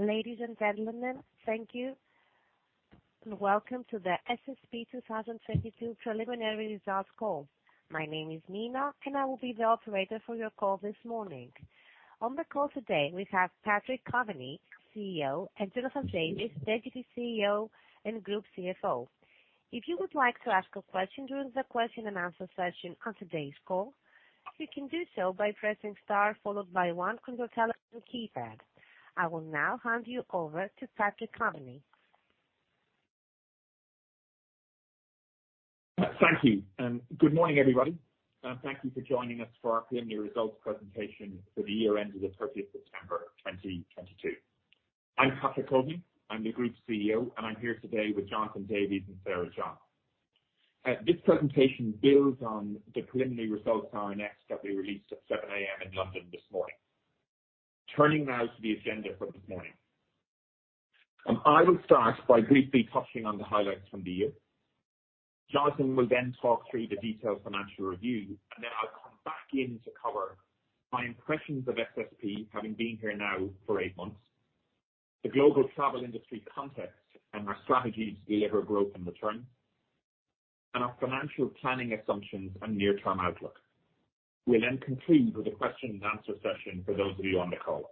Ladies and gentlemen, thank you, welcome to the SSP 2022 preliminary results call. My name is Nina, I will be the operator for your call this morning. On the call today, we have Patrick Coveney, CEO, and Jonathan Davies, Deputy CEO and Group CFO. If you would like to ask a question during the Q&A session on today's call, you can do so by pressing star followed by one on your telephone keypad. I will now hand you over to Patrick Coveney. Thank you. Good morning, everybody. Thank you for joining us for our preliminary results presentation for the year ending September 30, 2022. I'm Patrick Coveney, I'm the Group CEO, and I'm here today with Jonathan Davies and Sarah John. This presentation builds on the preliminary results on our next that we released at 7:00 A.M. in London this morning. Turning now to the agenda for this morning. I will start by briefly touching on the highlights from the year. Jonathan will then talk through the detailed financial review, and then I'll come back in to cover my impressions of SSP, having been here now for 8 months, the global travel industry context and our strategy to deliver growth and return, and our financial planning assumptions and near-term outlook. We'll conclude with a Q&A session for those of you on the call.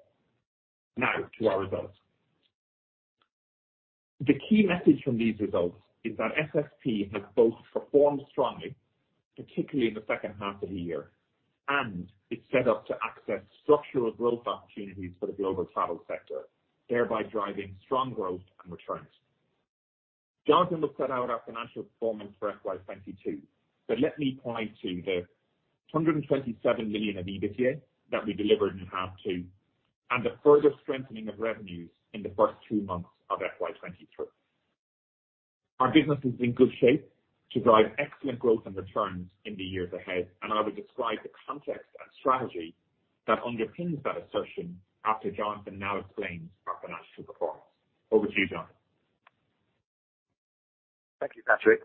Now to our results. The key message from these results is that SSP has both performed strongly, particularly in the H2 of the year, and it's set up to access structural growth opportunities for the global travel sector, thereby driving strong growth and returns. Jonathan will set out our financial performance for FY22, let me point to the 127 million of EBITDA that we delivered in H2, and the further strengthening of revenues in the first 2 months of FY23. Our business is in good shape to drive excellent growth and returns in the years ahead, I would describe the context and strategy that underpins that assertion after Jonathan now explains our financial performance. Over to you, Jonathan. Thank you, Patrick.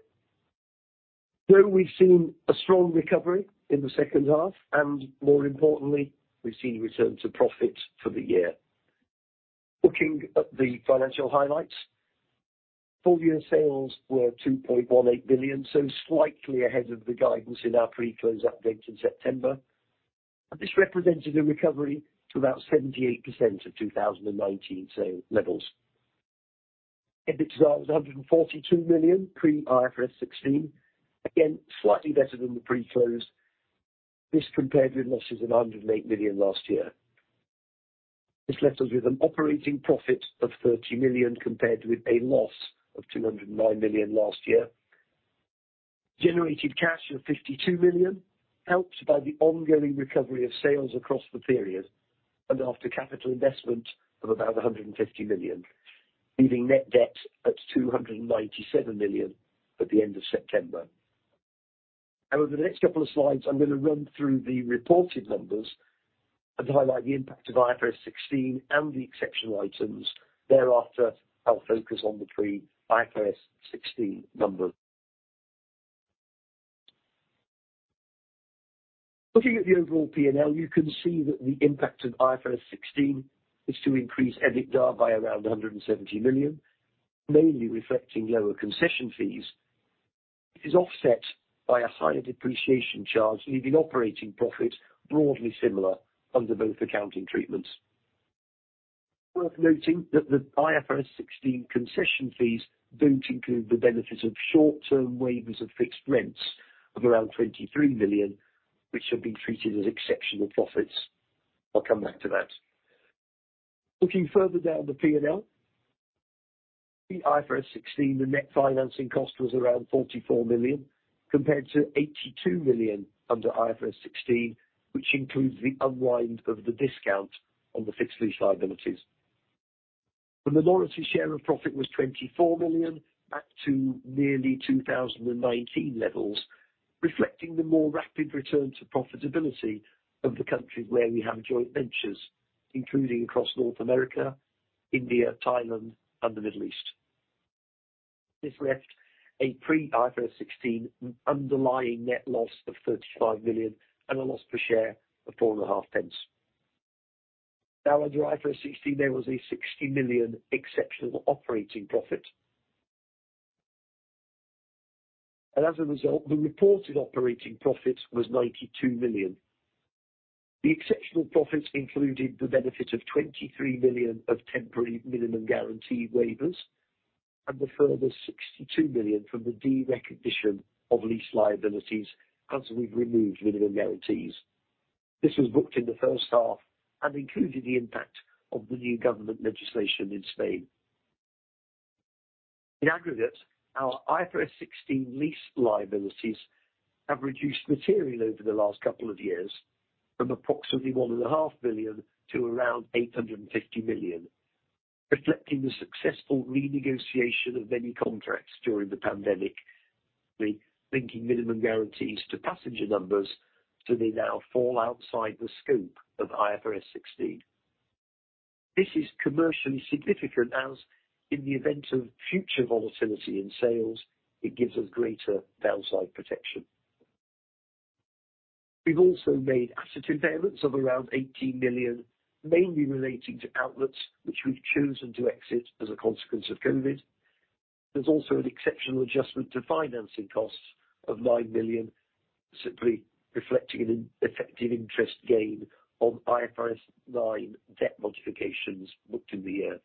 We've seen a strong recovery in the H2, and more importantly, we've seen return to profit for the year. Looking at the financial highlights, full year sales were 2.18 billion, slightly ahead of the guidance in our pre-close update in September. This represented a recovery to about 78% of 2019 sale levels. EBITDA was 142 million pre-IFRS 16. Again, slightly better than the pre-close. This compared with losses of 108 million last year. This left us with an operating profit of 30 million compared with a loss of 209 million last year. Generated cash of 52 million, helped by the ongoing recovery of sales across the period and after capital investment of about 150 million, leaving Net Debt at 297 million at the end of September. Over the next couple of slides, I'm gonna run through the reported numbers and highlight the impact of IFRS 16 and the exceptional items. Thereafter, I'll focus on the pre-IFRS 16 numbers. Looking at the overall P&L, you can see that the impact of IFRS 16 is to increase EBITDA by around 170 million, mainly reflecting lower concession fees. It is offset by a higher depreciation charge, leaving operating profit broadly similar under both accounting treatments. Worth noting that the IFRS 16 concession fees don't include the benefits of short-term waivers of fixed rents of around 23 million, which have been treated as exceptional profits. I'll come back to that. Looking further down the P&L. The IFRS 16, the net financing cost was around 44 million, compared to 82 million under IFRS 16, which includes the unwind of the discount on the fixed lease liabilities. The minority share of profit was 24 million, back to nearly 2019 levels, reflecting the more rapid return to profitability of the countries where we have joint ventures, including across North America, India, Thailand, and the Middle East. This left a pre-IFRS 16 underlying net loss of 35 million and a loss per share of four and a half pence. Under IFRS 16, there was a 60 million exceptional operating profit. As a result, the reported operating profit was 92 million. The exceptional profits included the benefit of 23 million of temporary minimum guarantee waivers and a further 62 million from the derecognition of lease liabilities as we've removed minimum guarantees. This was booked in the H1 and included the impact of the new government legislation in Spain. In aggregate, our IFRS 16 lease liabilities have reduced materially over the last couple of years from approximately one and a half billion to around 850 million, reflecting the successful renegotiation of many contracts during the pandemic. We linking minimum guarantees to passenger numbers so they now fall outside the scope of IFRS 16. This is commercially significant as in the event of future volatility in sales, it gives us greater downside protection. We've also made asset impairments of around 18 million, mainly relating to outlets which we've chosen to exit as a consequence of COVID. There's also an exceptional adjustment to financing costs of 9 million, simply reflecting an effective interest gain on IFRS 9 debt modifications booked in the year.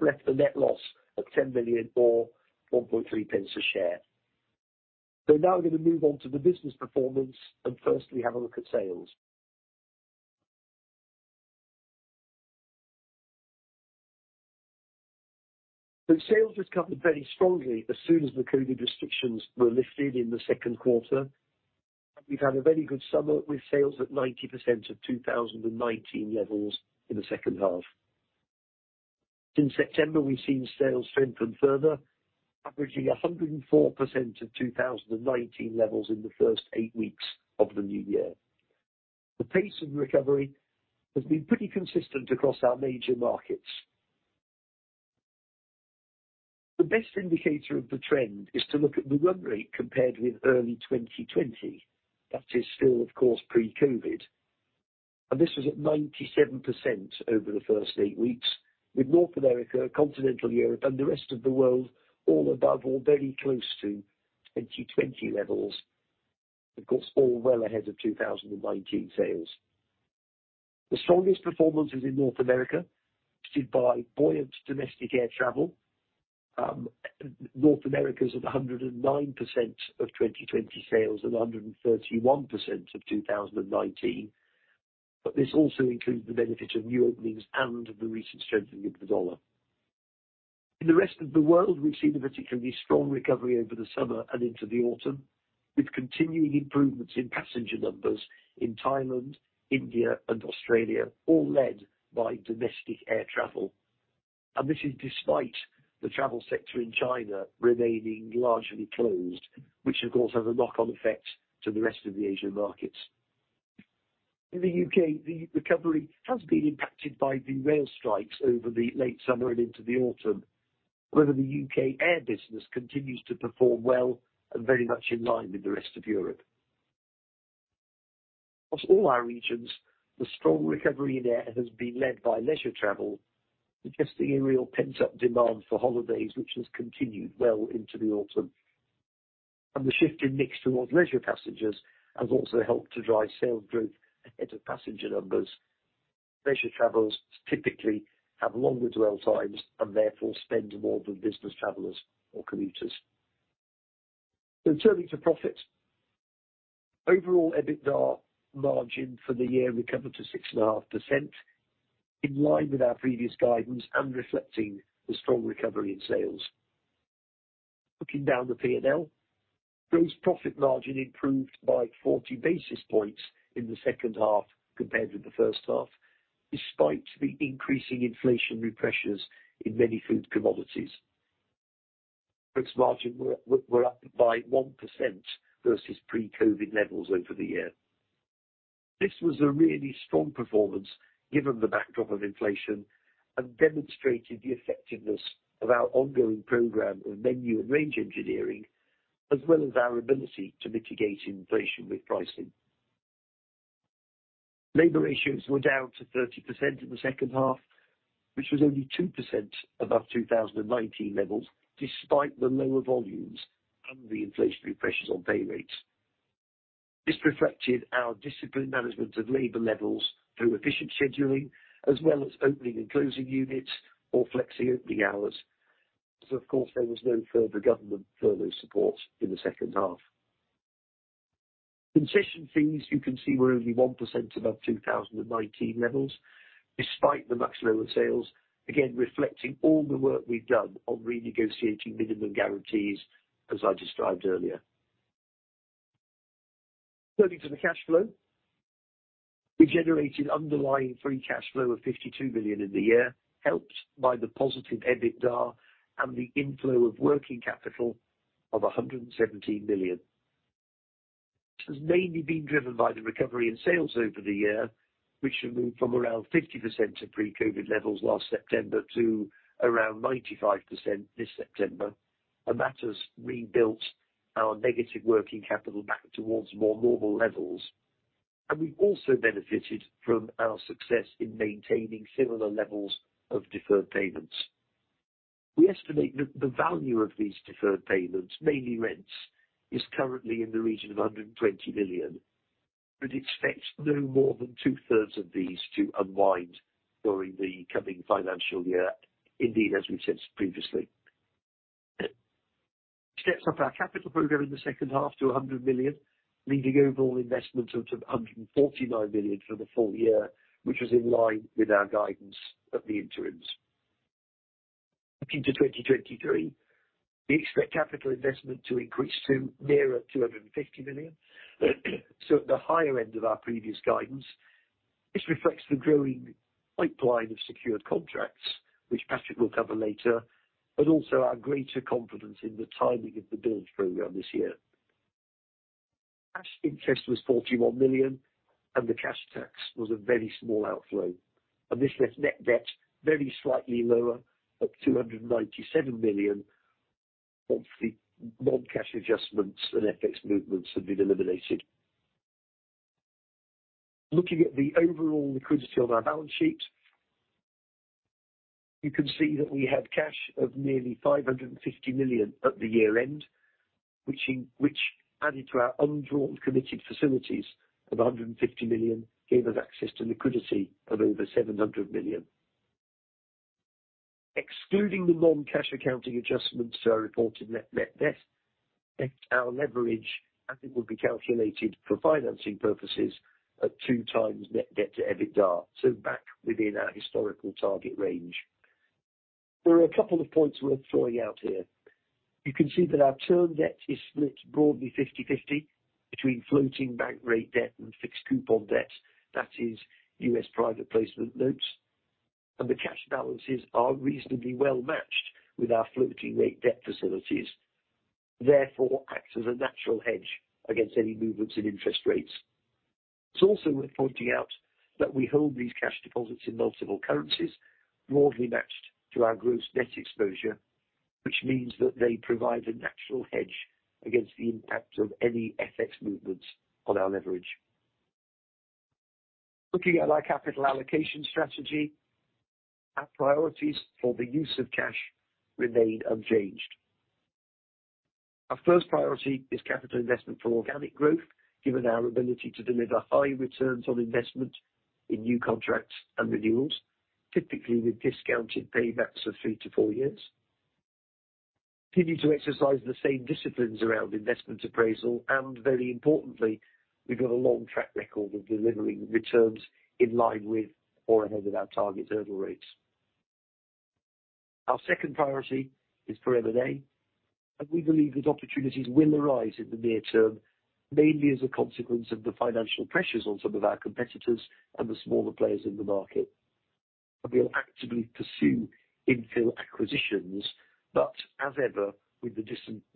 Left a net loss of 10 million or 1.3 pence a share. Now we're going to move on to the business performance, and firstly have a look at sales. Sales recovered very strongly as soon as the COVID restrictions were lifted in the Q2. We've had a very good summer with sales at 90% of 2019 levels in the H2. Since September, we've seen sales strengthen further, averaging 104% of 2019 levels in the first 8 weeks of the new year. The pace of recovery has been pretty consistent across our major markets. The best indicator of the trend is to look at the run rate compared with early 2020. That is still of course pre-COVID. This was at 97% over the first 8 weeks, with North America, Continental Europe and the rest of the world all above or very close to 2020 levels. Of course, all well ahead of 2019 sales. The strongest performance is in North America, boosted by buoyant domestic air travel. North America is at 109% of 2020 sales and 131% of 2019. This also includes the benefit of new openings and the recent strengthening of the dollar. In the rest of the world, we've seen a particularly strong recovery over the summer and into the autumn, with continuing improvements in passenger numbers in Thailand, India and Australia, all led by domestic air travel. This is despite the travel sector in China remaining largely closed, which of course, has a knock-on effect to the rest of the Asian markets. In the U.K., the recovery has been impacted by the rail strikes over the late summer and into the autumn. However, the U.K. air business continues to perform well and very much in line with the rest of Europe. Across all our regions, the strong recovery in air has been led by leisure travel, suggesting a real pent-up demand for holidays which has continued well into the autumn. The shift in mix towards leisure passengers has also helped to drive sales growth ahead of passenger numbers. Leisure travelers typically have longer dwell times and therefore spend more than business travelers or commuters. Turning to profit. Overall, EBITDA margin for the year recovered to 6.5%, in line with our previous guidance and reflecting the strong recovery in sales. Looking down the P&L, gross profit margin improved by 40 basis points in the H2 compared with the H1, despite the increasing inflationary pressures in many food commodities. Profit margin were up by 1% versus pre-COVID levels over the year. This was a really strong performance given the backdrop of inflation and demonstrated the effectiveness of our ongoing program of menu and range engineering, as well as our ability to mitigate inflation with pricing. Labor issues were down to 30% in the H2, which was only 2% above 2019 levels, despite the lower volumes and the inflationary pressures on pay rates. Of course, there was no further government furlough support in the H2. Concession fees you can see were only 1% above 2019 levels despite the much lower sales, again reflecting all the work we've done on renegotiating minimum guarantees, as I described earlier. Turning to the cash flow. We generated underlying free cash flow of 52 million in the year, helped by the positive EBITDA and the inflow of working capital of 117 million, which has mainly been driven by the recovery in sales over the year, which have moved from around 50% to pre-COVID levels last September to around 95% this September. That has rebuilt our negative working capital back towards more normal levels. We've also benefited from our success in maintaining similar levels of deferred payments. We estimate that the value of these deferred payments, mainly rents, is currently in the region of 120 million, expects no more than 2/3 of these to unwind during the coming financial year, indeed, as we said previously. Steps up our capital program in the H2 to 100 million, leading overall investment to 149 million for the full year, which was in line with our guidance at the interims. Looking to 2023, we expect capital investment to increase to nearer 250 million, so at the higher end of our previous guidance. This reflects the growing pipeline of secured contracts, which Patrick will cover later, also our greater confidence in the timing of the build program this year. Cash interest was 41 million. The cash tax was a very small outflow. This left Net Debt very slightly lower at 297 million. Once the non-cash adjustments and FX movements have been eliminated. Looking at the overall liquidity on our balance sheet, you can see that we had cash of nearly 550 million at the year-end, which added to our undrawn committed facilities of 150 million, gave us access to liquidity of over 700 million. Excluding the non-cash accounting adjustments to our reported net debt, our leverage as it would be calculated for financing purposes at 2 times Net Debt-to-EBITDA, back within our historical target range. There are a couple of points worth drawing out here. You can see that our term debt is split broadly 50/50 between floating bank rate debt and fixed coupon debt, that is U.S. private placement notes. The cash balances are reasonably well matched with our floating rate debt facilities, therefore acts as a natural hedge against any movements in interest rates. It's also worth pointing out that we hold these cash deposits in multiple currencies, broadly matched to our gross debt exposure, which means that they provide a natural hedge against the impact of any FX movements on our leverage. Looking at our capital allocation strategy, our priorities for the use of cash remain unchanged. Our first priority is capital investment for organic growth, given our ability to deliver high returns on investment in new contracts and renewals, typically with discounted paybacks of 3 to 4 years. Very importantly, we've got a long track record of delivering returns in line with or ahead of our target hurdle rates. Our second priority is for M&A, and we believe that opportunities will arise in the near term, mainly as a consequence of the financial pressures on some of our competitors and the smaller players in the market. We'll actively pursue infill acquisitions, but as ever, with the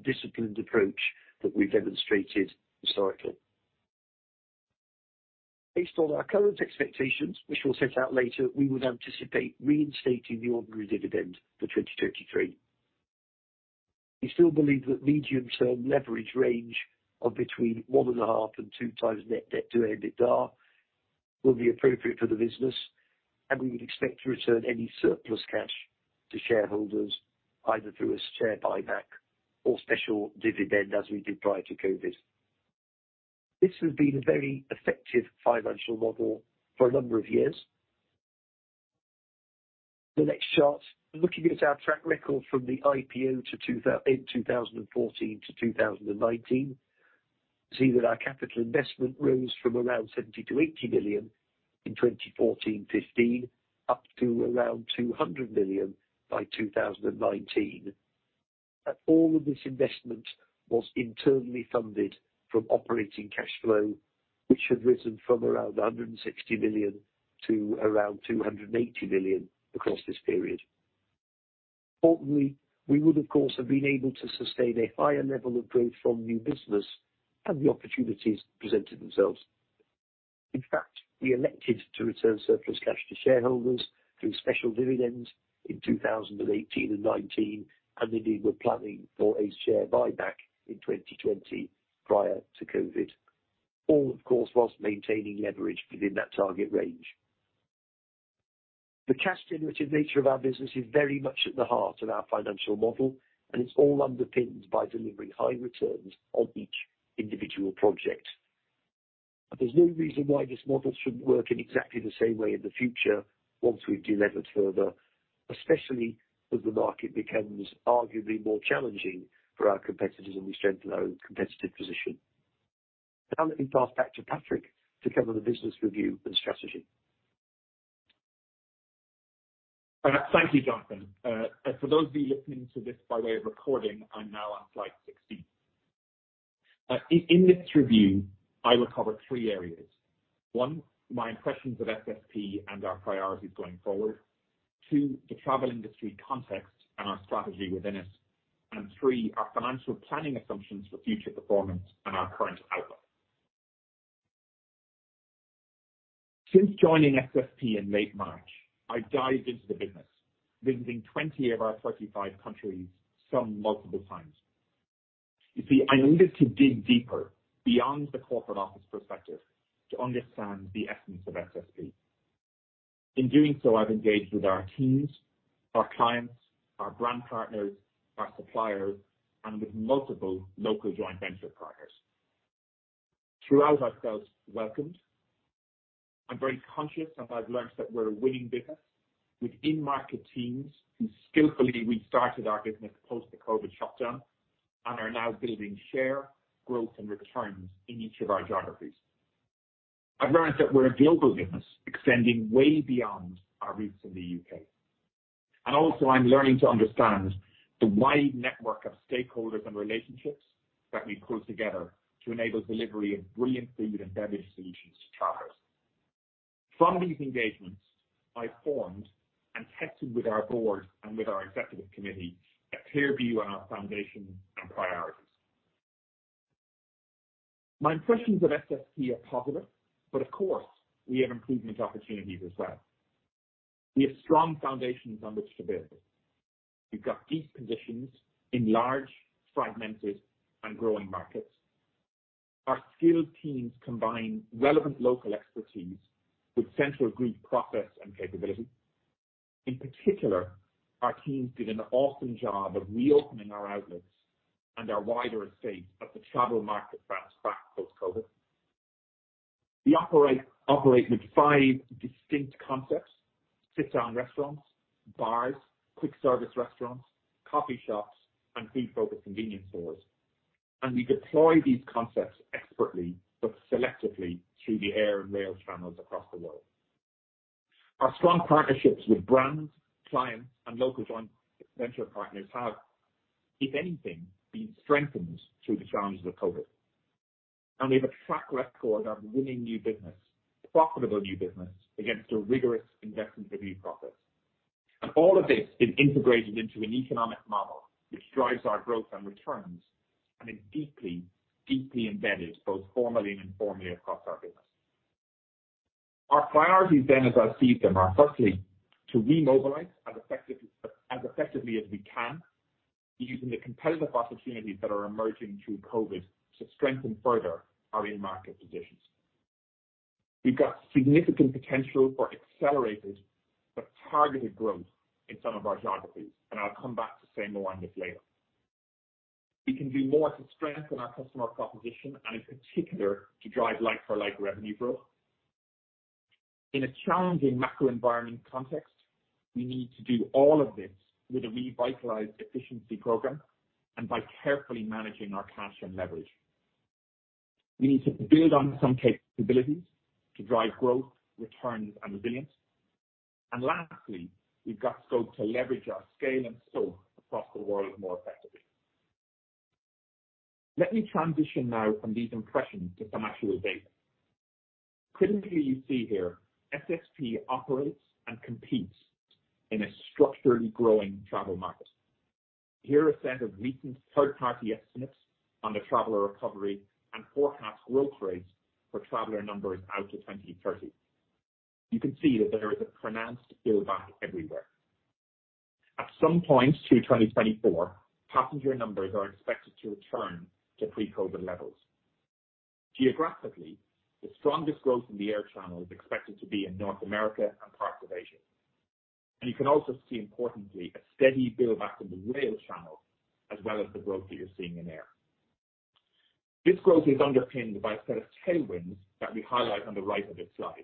disciplined approach that we've demonstrated historically. Based on our current expectations, which we'll set out later, we would anticipate reinstating the ordinary dividend for 2023. We still believe that medium-term leverage range of between 1.5 and 2 times Net Debt-to-EBITDA will be appropriate for the business, and we would expect to return any surplus cash to shareholders, either through a share buyback or special dividend as we did prior to COVID. This has been a very effective financial model for a number of years. The next chart, looking at our track record from the IPO in 2014 to 2019, see that our capital investment rose from around 70 million-80 million in 2014, 2015, up to around 200 million by 2019. All of this investment was internally funded from operating cash flow, which had risen from around 160 million to around 280 million across this period. Importantly, we would, of course, have been able to sustain a higher level of growth from new business had the opportunities presented themselves. In fact, we elected to return surplus cash to shareholders through special dividends in 2018 and 2019, and indeed were planning for a share buyback in 2020 prior to COVID. All, of course, whilst maintaining leverage within that target range. The cash-generative nature of our business is very much at the heart of our financial model, and it's all underpinned by delivering high returns on each individual project. There's no reason why this model shouldn't work in exactly the same way in the future once we've delevered further, especially as the market becomes arguably more challenging for our competitors, and we strengthen our own competitive position. Now let me pass back to Patrick to cover the business review and strategy. Thank you, Jonathan. For those of you listening to this by way of recording, I'm now on slide 16. In this review, I will cover 3 areas. 1, my impressions of SSP and our priorities going forward. 2, the travel industry context and our strategy within it. 3, our financial planning assumptions for future performance and our current outlook. Since joining SSP in late March, I dived into the business, visiting 20 of our 35 countries some multiple times. You see, I needed to dig deeper beyond the corporate office perspective to understand the essence of SSP. In doing so, I've engaged with our teams, our clients, our brand partners, our suppliers, and with multiple local joint venture partners. Throughout, I felt welcomed. I'm very conscious, I've learned that we're a winning business with in-market teams who skillfully restarted our business post the COVID shutdown and are now building share growth and returns in each of our geographies. I've learned that we're a global business extending way beyond our roots in the U.K. Also I'm learning to understand the wide network of stakeholders and relationships that we pull together to enable delivery of brilliant food and beverage solutions to travelers. From these engagements I formed and tested with our board and with our executive committee a clear view on our foundation and priorities. My impressions of SSP are positive, of course we have improvement opportunities as well. We have strong foundations on which to build. We've got these positions in large, fragmented and growing markets. Our skilled teams combine relevant local expertise with central group process and capability. In particular, our teams did an awesome job of reopening our outlets and our wider estate as the travel market bounced back post-COVID. We operate with 5 distinct concepts, sit-down restaurants, bars, quick service restaurants, coffee shops, and food-focused convenience stores. We deploy these concepts expertly but selectively through the air and rail channels across the world. Our strong partnerships with brands, clients and local joint venture partners have, if anything, been strengthened through the challenges of COVID. We have a track record of winning new business, profitable new business against a rigorous investment review process. All of this is integrated into an economic model which drives our growth and returns and is deeply embedded, both formally and informally across our business. Our priorities then as I see them, are firstly to remobilize as effectively as we can, using the competitive opportunities that are emerging through COVID to strengthen further our in-market positions. We've got significant potential for accelerated but targeted growth in some of our geographies, I'll come back to say more on this later. We can do more to strengthen our customer proposition and in particular to drive like-for-like revenue growth. In a challenging macro environment context, we need to do all of this with a revitalized efficiency program and by carefully managing our cash and leverage. We need to build on some capabilities to drive growth, returns and resilience. Lastly, we've got scope to leverage our scale and scope across the world more effectively. Let me transition now from these impressions to some actual data. Critically, you see here SSP operates and competes in a structurally growing travel market. Here are a set of recent third-party estimates on the traveler recovery and forecast growth rates for traveler numbers out to 2030. You can see that there is a pronounced build back everywhere. At some point through 2024, passenger numbers are expected to return to pre-COVID levels. Geographically, the strongest growth in the air channel is expected to be in North America and parts of Asia. You can also see, importantly, a steady build back in the rail channel as well as the growth that you're seeing in air. This growth is underpinned by a set of tailwinds that we highlight on the right of this slide.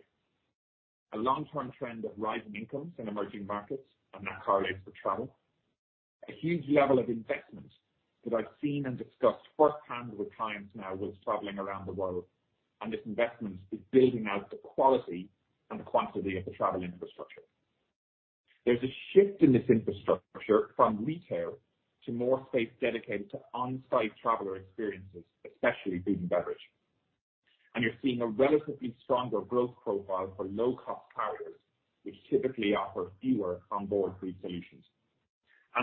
A long-term trend of rising incomes in emerging markets and that correlates for travel. A huge level of investment that I've seen and discussed firsthand with clients now who are traveling around the world, this investment is building out the quality and quantity of the travel infrastructure. There's a shift in this infrastructure from retail to more space dedicated to on-site traveler experiences, especially food and beverage. You're seeing a relatively stronger growth profile for low cost carriers, which typically offer fewer onboard food solutions.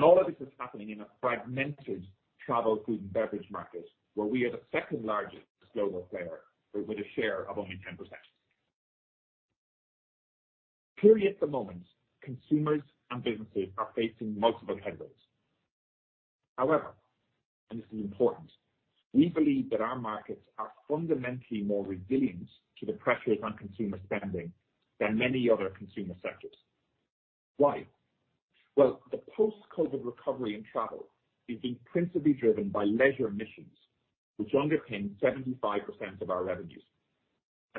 All of this is happening in a fragmented travel food and beverage market, where we are the second largest global player with a share of only 10%. Clearly, at the moment, consumers and businesses are facing multiple headwinds. However, and this is important, we believe that our markets are fundamentally more resilient to the pressures on consumer spending than many other consumer sectors. Why? Well, the post-COVID recovery in travel is being principally driven by leisure missions, which underpin 75% of our revenues.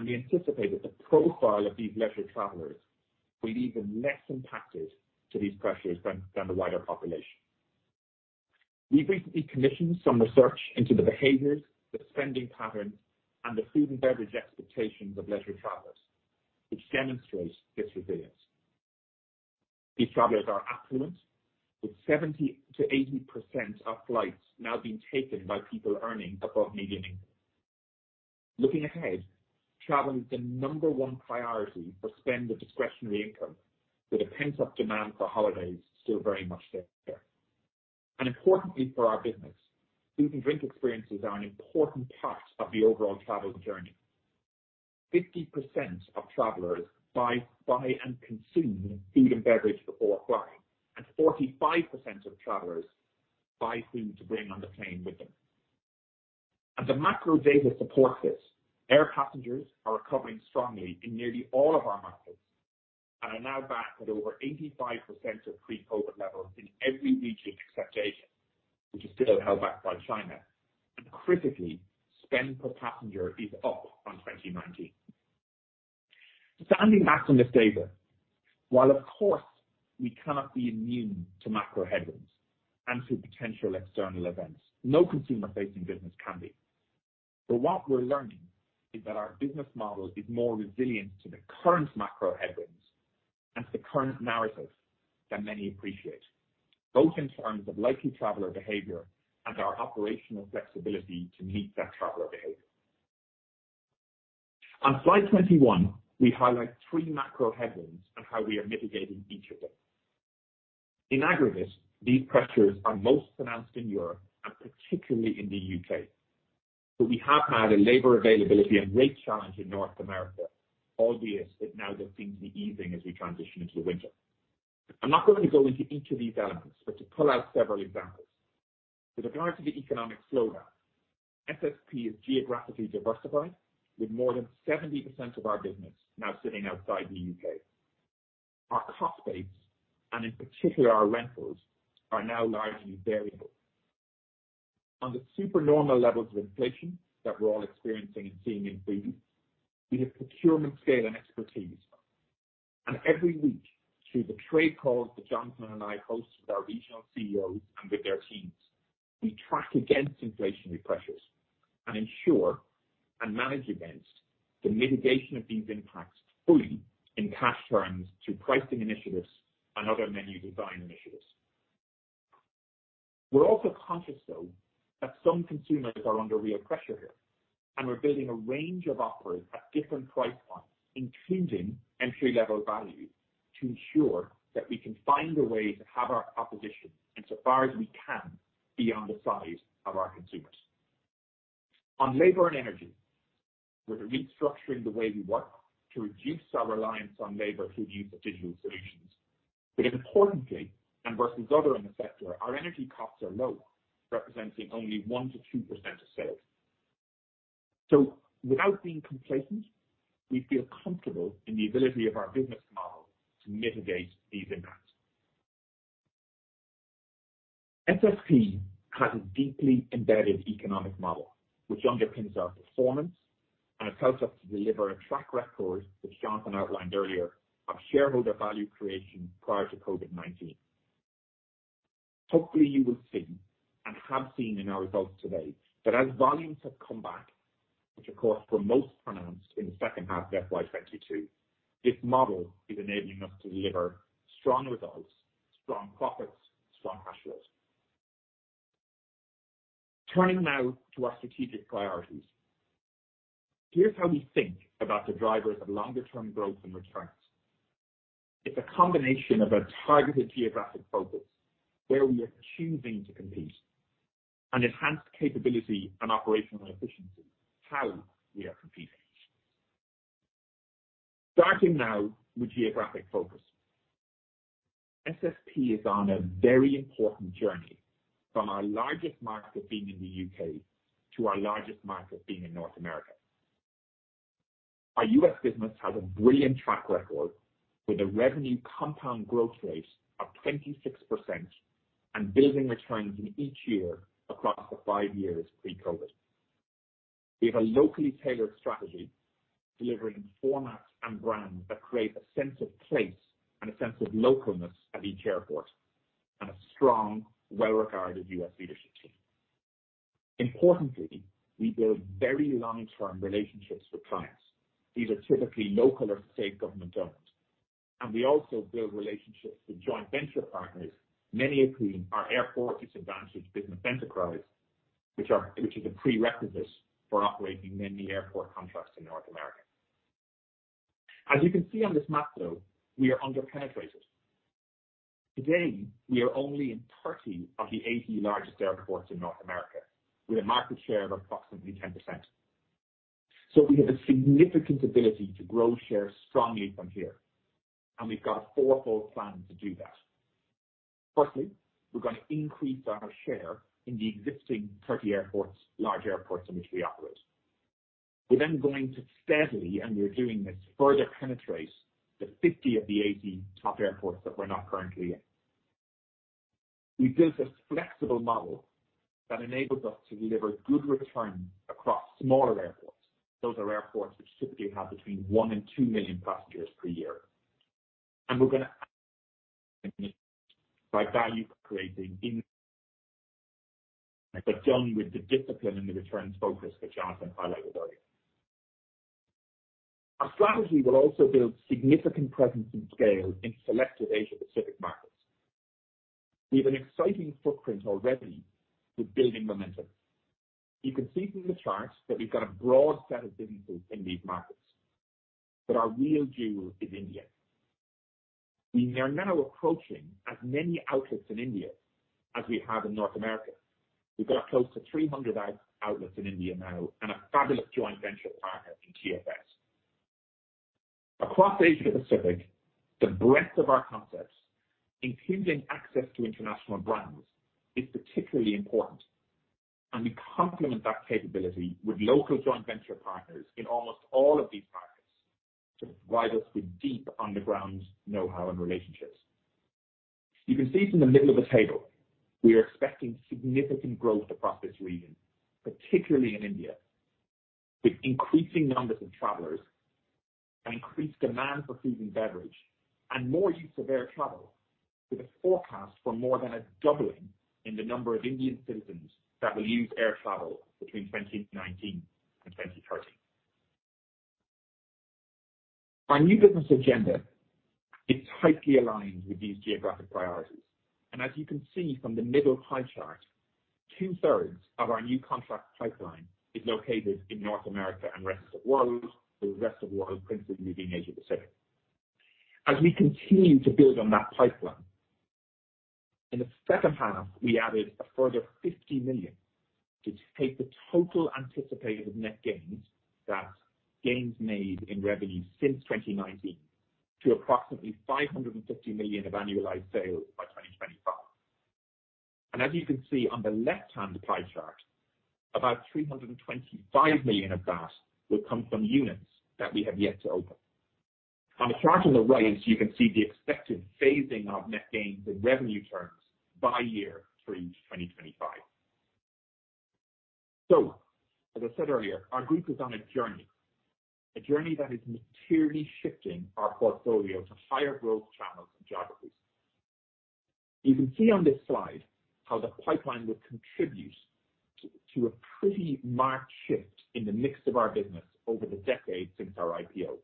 We anticipate that the profile of these leisure travelers will be even less impacted to these pressures than the wider population. We recently commissioned some research into the behaviors, the spending patterns, and the food and beverage expectations of leisure travelers, which demonstrates this resilience. These travelers are affluent, with 70%-80% of flights now being taken by people earning above median income. Looking ahead, travel is the number 1 priority for spend of discretionary income, with a pent-up demand for holidays still very much there. Importantly for our business, food and drink experiences are an important part of the overall travel journey. 50% of travelers buy and consume food and beverage before flying, 45% of travelers buy food to bring on the plane with them. The macro data supports this. Air passengers are recovering strongly in nearly all of our markets and are now back at over 85% of pre-COVID levels in every region except Asia, which is still held back by China. Critically, spend per passenger is up from 2019. Standing back from this data, while of course we cannot be immune to macro headwinds and to potential external events, no consumer-facing business can be. What we're learning is that our business model is more resilient to the current macro headwinds and the current narrative that many appreciate, both in terms of likely traveler behavior and our operational flexibility to meet that traveler behavior. On slide 21, we highlight 3 macro headwinds and how we are mitigating each of them. In aggregate, these pressures are most pronounced in Europe and particularly in the U.K. We have had a labor availability and rate challenge in North America all year that now they're seeing the easing as we transition into the winter. I'm not going to go into each of these elements, but to pull out several examples. With regard to the economic slowdown, SSP is geographically diversified with more than 70% of our business now sitting outside the U.K. Our cost base, and in particular our rentals, are now largely variable. On the super normal levels of inflation that we're all experiencing and seeing in fees, we have procurement scale and expertise. Every week, through the trade calls that Jonathan and I host with our regional CEOs and with their teams, we track against inflationary pressures and ensure and manage against the mitigation of these impacts fully in cash terms through pricing initiatives and other menu design initiatives. We're also conscious, though, that some consumers are under real pressure here, and we're building a range of offers at different price points, including entry-level value, to ensure that we can find a way to have our opposition in so far as we can be on the side of our consumers. On labor and energy, we're restructuring the way we work to reduce our reliance on labor through use of digital solutions. Importantly, and versus other in the sector, our energy costs are low, representing only 1%-2% of sales. Without being complacent, we feel comfortable in the ability of our business model to mitigate these impacts. SSP has a deeply embedded economic model which underpins our performance and has helped us to deliver a track record that Jonathan outlined earlier of shareholder value creation prior to COVID-19. Hopefully, you will see and have seen in our results today that as volumes have come back, which of course were most pronounced in the H2 of FY22, this model is enabling us to deliver strong results, strong profits, strong cash flows. Turning now to our strategic priorities. Here's how we think about the drivers of longer-term growth and returns. It's a combination of a targeted geographic focus where we are choosing to compete and enhanced capability and operational efficiency, how we are competing. Starting now with geographic focus. SSP is on a very important journey from our largest market being in the U.K. to our largest market being in North America. Our U.S. business has a brilliant track record with a revenue compound growth rate of 26% and building returns in each year across the 5 years pre-COVID-19. We have a locally tailored strategy delivering formats and brands that create a sense of place and a sense of localness at each airport and a strong, well-regarded U.S. leadership team. Importantly, we build very long-term relationships with clients. These are typically local or state government-owned, and we also build relationships with joint venture partners, many of whom are Airport Disadvantaged Business Enterprise, which is a prerequisite for operating many airport contracts in North America. As you can see on this map, though, we are under-penetrated. Today, we are only in 30 of the 80 largest airports in North America with a market share of approximately 10%. We have a significant ability to grow share strongly from here, and we've got a fourfold plan to do that. Firstly, we're gonna increase our share in the existing 30 airports, large airports in which we operate. We're then going to steadily, and we're doing this, further penetrate the 50 of the 80 top airports that we're not currently in. We built a flexible model that enables us to deliver good return across smaller airports. Those are airports which typically have between 1 million and 2 million passengers per year. We're gonna by value creating in but done with the discipline and the returns focus that Jonathan highlighted earlier. Our strategy will also build significant presence and scale in selected Asia Pacific markets. We have an exciting footprint already with building momentum. You can see from the charts that we've got a broad set of businesses in these markets, but our real jewel is India. We are now approaching as many outlets in India as we have in North America. We've got close to 300 outlets in India now and a fabulous joint venture partner in TFS. Across Asia Pacific, the breadth of our concepts, including access to international brands, is particularly important, and we complement that capability with local joint venture partners in almost all of these markets to provide us with deep on-the-ground know-how and relationships. You can see from the middle of the table we are expecting significant growth across this region, particularly in India, with increasing numbers of travelers and increased demand for food and beverage and more use of air travel. With a forecast for more than a doubling in the number of Indian citizens that will use air travel between 2019 and 2030. Our new business agenda is tightly aligned with these geographic priorities. As you can see from the middle pie chart, 2/3 of our new contract pipeline is located in North America and rest of world, with the rest of world principally the Asia Pacific. We continue to build on that pipeline, in the H2, we added a further 50 million, which take the total anticipated net gains made in revenue since 2019 to approximately 550 million of annualized sales by 2025. As you can see on the left-hand pie chart, about 325 million of that will come from units that we have yet to open. On the chart on the right, you can see the expected phasing of net gains in revenue terms by year through 2025. As I said earlier, our group is on a journey, a journey that is materially shifting our portfolio to higher growth channels and geographies. You can see on this slide how the pipeline will contribute to a pretty marked shift in the mix of our business over the decade since our IPO.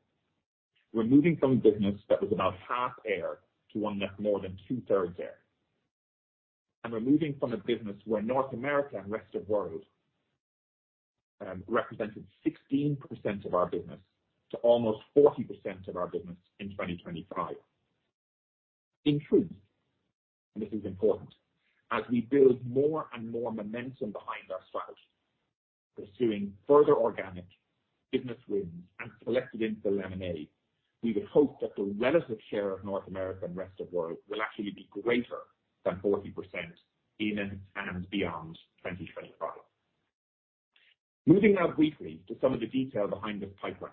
We're moving from a business that was about half air to one that's more than 2/3 air. We're moving from a business where North America and rest of world represented 16% of our business to almost 40% of our business in 2025. In truth, and this is important, as we build more and more momentum behind our strategy, pursuing further organic business wins and selecting for lemonade, we would hope that the relative share of North America and rest of world will actually be greater than 40% in and beyond 2025. Moving now briefly to some of the detail behind this pipeline.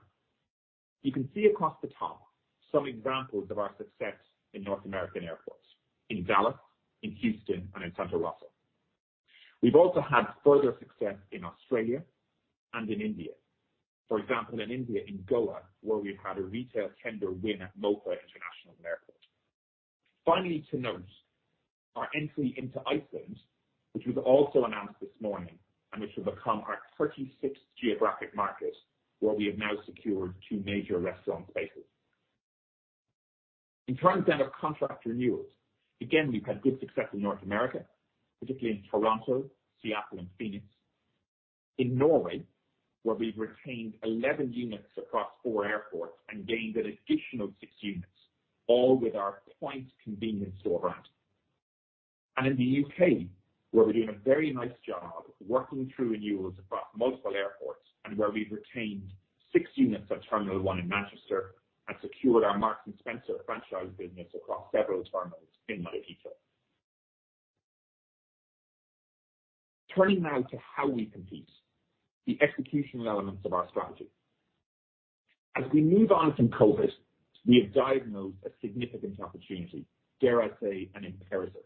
You can see across the top some examples of our success in North American airports, in Dallas, in Houston, and in Santa Russell. We've also had further success in Australia and in India. For example, in India, in Goa, where we've had a retail tender win at Mopa International Airport. To note, our entry into Iceland, which was also announced this morning and which will become our 36th geographic market, where we have now secured 2 major restaurant spaces. In terms of contract renewals, again, we've had good success in North America, particularly in Toronto, Seattle and Phoenix. In Norway, where we've retained 11 units across 4 airports and gained an additional 6 units, all with our Point convenience store brand. In the U.K., where we're doing a very nice job working through renewals across multiple airports and where we've retained 6 units at Terminal 1 in Manchester and secured our Marks and Spencer franchise business across several terminals in Manchester. Turning now to how we compete, the executional elements of our strategy. As we move on from COVID-19, we have diagnosed a significant opportunity, dare I say, an imperative,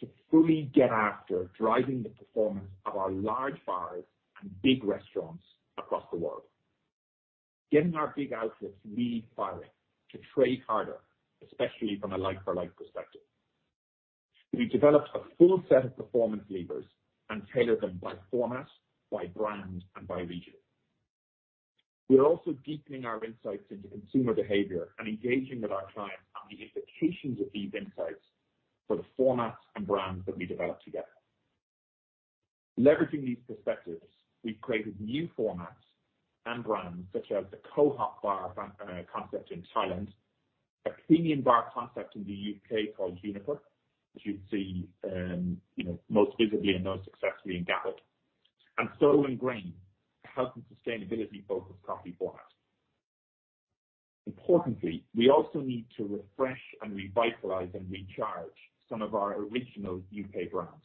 to fully get after driving the performance of our large bars and big restaurants across the world. Getting our big outlets really firing, to trade harder, especially from a like-for-like perspective. We developed a full set of performance levers and tailored them by format, by brand, and by region. We are also deepening our insights into consumer behavior and engaging with our clients on the implications of these insights for the formats and brands that we develop together. Leveraging these perspectives, we've created new formats and brands such as the Koh Hop Bar concept in Thailand, Athenian bar concept in the U.K. called Juniper, as you know, most visibly and most successfully in Gatwick. Soul + Grain, health and sustainability-focused coffee format. Importantly, we also need to refresh and revitalize and recharge some of our original U.K. brands,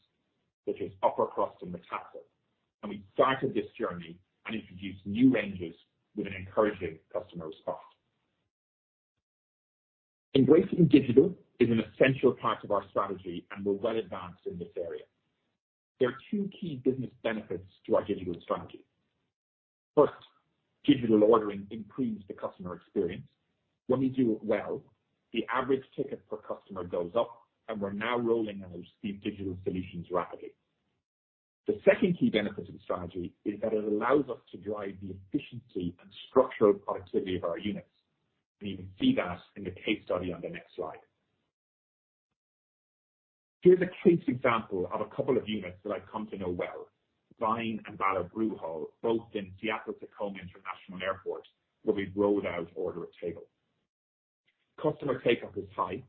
such as Upper Crust and Mattisson. We started this journey and introduced new ranges with an encouraging customer response. Embracing digital is an essential part of our strategy, and we're well advanced in this area. There are 2 key business benefits to our digital strategy. First, digital ordering improves the customer experience. When we do it well, the average ticket per customer goes up, and we're now rolling out these digital solutions rapidly. The second key benefit of the strategy is that it allows us to drive the efficiency and structural productivity of our units. You can see that in the case study on the next slide. Here's a case example of a couple of units that I've come to know well, Vine and Ballard Brew Hall, both in Seattle-Tacoma International Airport, where we've rolled out Order-at-table. Customer take-up is high.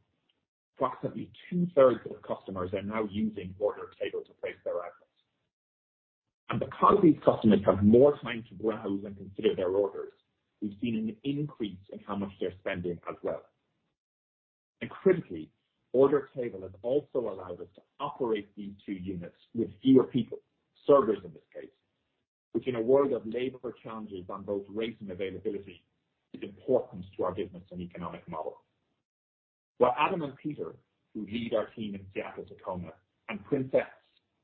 Approximately 2/3 of customers are now using Order-at-table to place their orders. Because these customers have more time to browse and consider their orders, we've seen an increase in how much they're spending as well. Critically, Order-at-table has also allowed us to operate these two units with fewer people, servers in this case, which in a world of labor challenges on both rates and availability is important to our business and economic model. What Adam and Peter, who lead our team in Seattle-Tacoma, and Princess,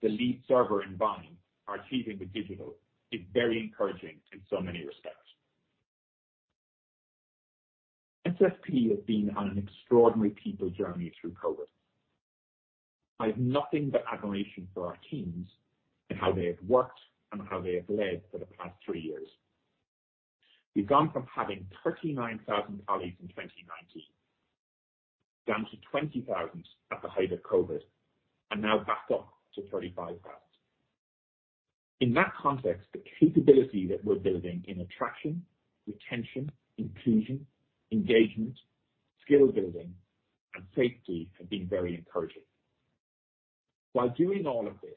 the lead server in Vyne, are achieving with digital is very encouraging in so many respects. SSP has been on an extraordinary people journey through COVID. I have nothing but admiration for our teams and how they have worked and how they have led for the past 3 years. We've gone from having 39,000 colleagues in 2019 down to 20,000 at the height of COVID and now back up to 35,000. In that context, the capability that we're building in attraction, retention, inclusion, engagement, skill building, and safety have been very encouraging. While doing all of this,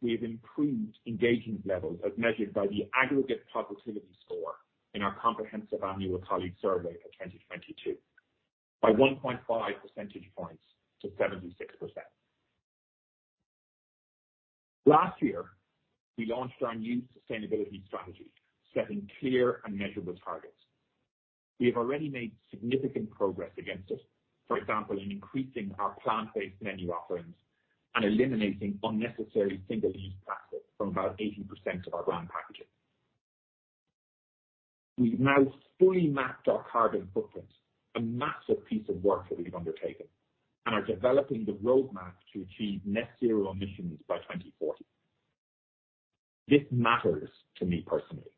we have improved engagement levels as measured by the aggregate positivity score in our comprehensive annual colleague survey for 2022 by 1.5 percentage points to 76%. Last year, we launched our new sustainability strategy, setting clear and measurable targets. We have already made significant progress against this, for example, in increasing our plant-based menu offerings and eliminating unnecessary single-use plastic from about 80% of our brand packaging. We've now fully mapped our carbon footprint, a massive piece of work that we've undertaken, and are developing the roadmap to achieve net 0 emissions by 2040. This matters to me personally.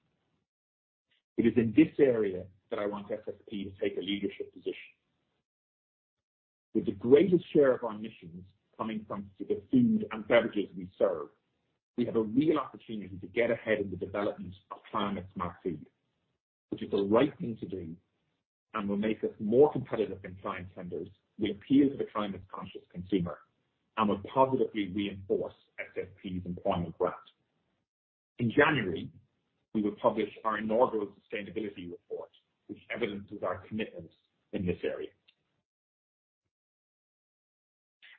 It is in this area that I want SSP to take a leadership position. With the greatest share of our emissions coming from the food and beverages we serve, we have a real opportunity to get ahead in the development of climate-smart food, which is the right thing to do and will make us more competitive in client tenders. We appeal to the climate-conscious consumer and will positively reinforce SSP's employment brand. In January, we will publish our inaugural sustainability report, which evidences our commitments in this area.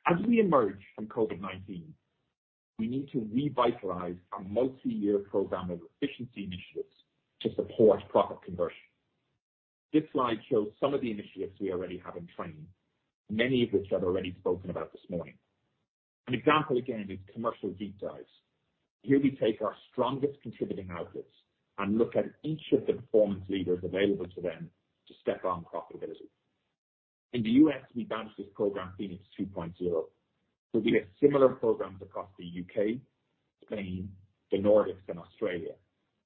As we emerge from COVID-19, we need to revitalize our multi-year program of efficiency initiatives to support profit conversion. This slide shows some of the initiatives we already have in training, many of which I've already spoken about this morning. An example again is commercial deep dives. Here we take our strongest contributing outlets and look at each of the performance leaders available to them to step on profitability. In the U.S., we launched this program, Phoenix 2.0. We have similar programs across the U.K., Spain, the Nordics, and Australia,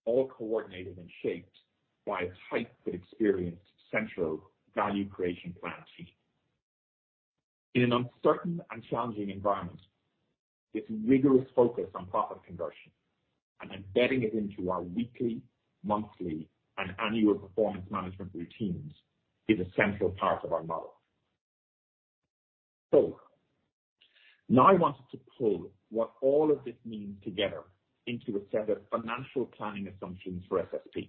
all coordinated and shaped by a tight but experienced central value creation plan team. In an uncertain and challenging environment, this rigorous focus on profit conversion and embedding it into our weekly, monthly, and annual performance management routines is a central part of our model. Now I want to pull what all of this means together into a set of financial planning assumptions for SSP.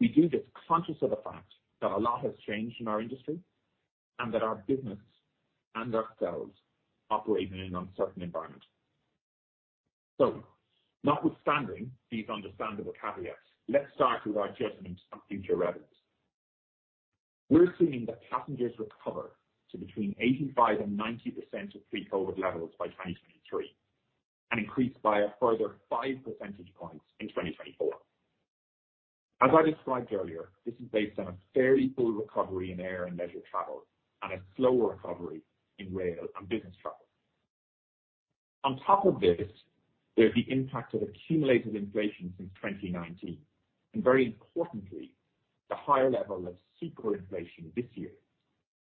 We do this conscious of the fact that a lot has changed in our industry and that our business and ourselves operate in an uncertain environment. Notwithstanding these understandable caveats, let's start with our judgment on future revenues. We're assuming that passengers recover to between 85% and 90% of pre-COVID levels by 2023 and increase by a further 5 percentage points in 2024. As I described earlier, this is based on a fairly full recovery in air and leisure travel and a slower recovery in rail and business travel. On top of this, there's the impact of accumulated inflation since 2019 and very importantly, the higher level of super inflation this year,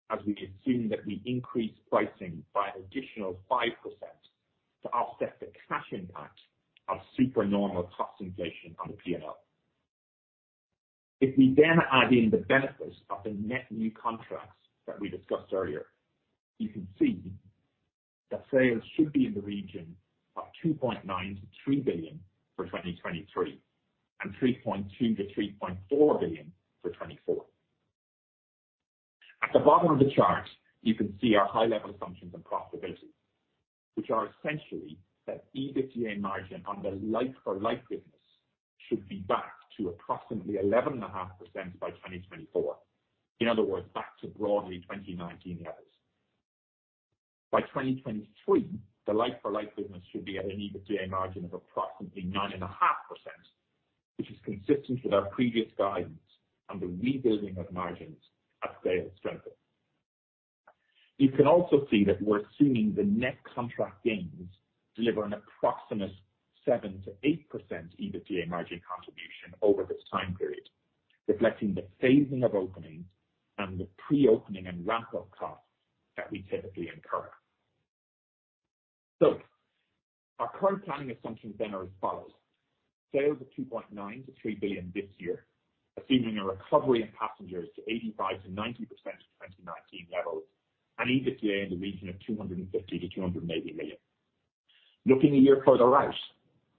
as we assume that we increase pricing by an additional 5% to offset the cash impact of super normal cost inflation on the P&L. If we then add in the benefits of the net new contracts that we discussed earlier, you can see that sales should be in the region of 2.9 billion-3 billion for 2023 and 3.2 billion-3.4 billion for 2024. At the bottom of the chart, you can see our high-level assumptions on profitability, which are essentially that EBITDA margin on the like-for-like business should be back to approximately 11.5% by 2024. In other words, back to broadly 2019 levels. By 2023, the like-for-like business should be at an EBITDA margin of approximately 9.5%, which is consistent with our previous guidance on the rebuilding of margins as sales strengthen. You can also see that we're assuming the net contract gains deliver an approximate 7%-8% EBITDA margin contribution over this time period, reflecting the phasing of openings and the pre-opening and ramp-up costs that we typically incur. Our current planning assumptions are as follows: sales of 2.9 billion-3 billion this year, assuming a recovery in passengers to 85%-90% of 2019 levels and EBITDA in the region of 250 million-280 million. Looking a year further out,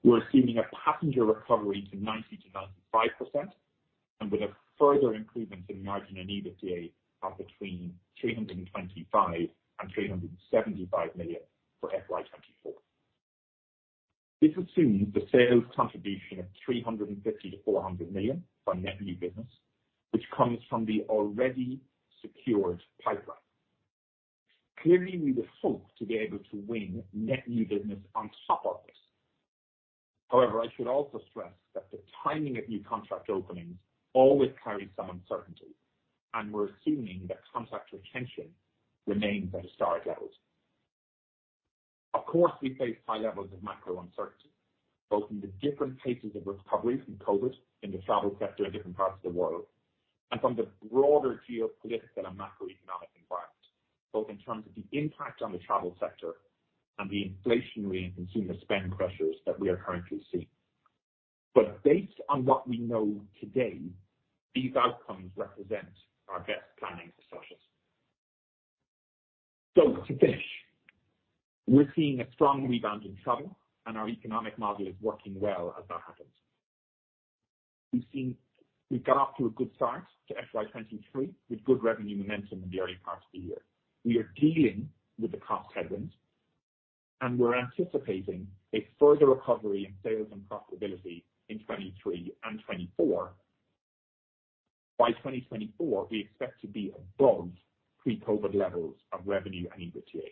we're assuming a passenger recovery to 90%-95% and with a further improvement in margin and EBITDA of between 325 million and 375 million for FY2024. This assumes the sales contribution of 350 million-400 million from net new business, which comes from the already secured pipeline. We would hope to be able to win net new business on top of this. I should also stress that the timing of new contract openings always carries some uncertainty, and we're assuming that contract retention remains at historic levels. We face high levels of macro uncertainty, both in the different paces of recovery from COVID in the travel sector in different parts of the world and from the broader geopolitical and macroeconomic environment, both in terms of the impact on the travel sector and the inflationary and consumer spend pressures that we are currently seeing. Based on what we know today, these outcomes represent our best planning assumptions. To finish, we're seeing a strong rebound in travel and our economic model is working well as that happens. We've got off to a good start to FY23 with good revenue momentum in the early part of the year. We are dealing with the cost headwinds, and we're anticipating a further recovery in sales and profitability in 2023 and 2024. By 2024, we expect to be above pre-COVID levels of revenue and EBITDA.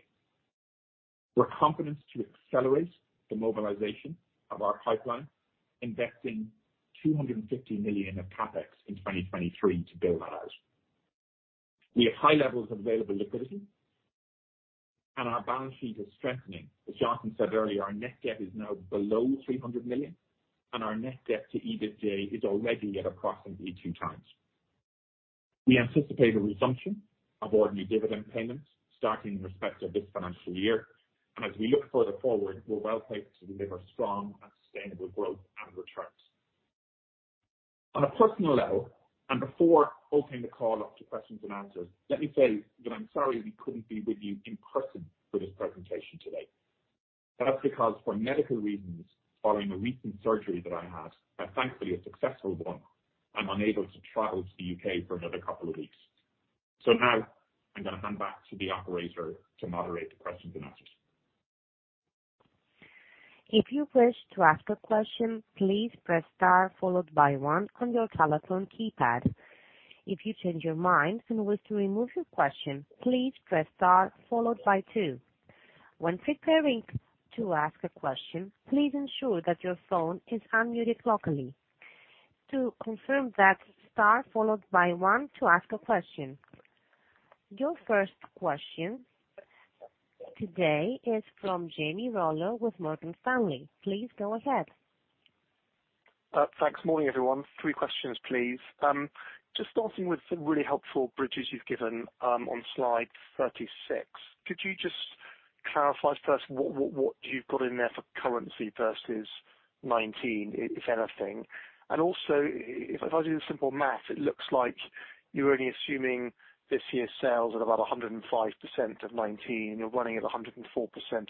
We're confident to accelerate the mobilization of our pipeline, investing 250 million of CapEx in 2023 to build that out. We have high levels of available liquidity, and our balance sheet is strengthening. As Jonathan said earlier, our net debt is now below 300 million, and our Net Debt-to-EBITDA is already at approximately 2 times. We anticipate a resumption of ordinary dividend payments starting in respect of this financial year. As we look further forward, we're well placed to deliver strong and sustainable growth and returns. On a personal level, and before opening the call up to questions and answers, let me say that I'm sorry we couldn't be with you in person for this presentation today. That's because for medical reasons, following a recent surgery that I had, and thankfully a successful one, I'm unable to travel to the U.K. for another couple of weeks. Now I'm gonna hand back to the operator to moderate the questions and answers. If you wish to ask a question, please press Star followed by one on your telephone keypad. If you change your mind and wish to remove your question, please press Star followed by 2. When preparing to ask a question, please ensure that your phone is unmuted locally. To confirm that, Star followed by one to ask a question. Your first question today is from Jamie Rollo with Morgan Stanley. Please go ahead. Thanks. Morning, everyone. 3 questions, please. Just starting with some really helpful bridges you've given on slide 36. Could you just clarify for us what you've got in there for currency versus 19, if anything? Also, if I do the simple math, it looks like you're only assuming this year's sales at about 105% of 19. You're running at 104%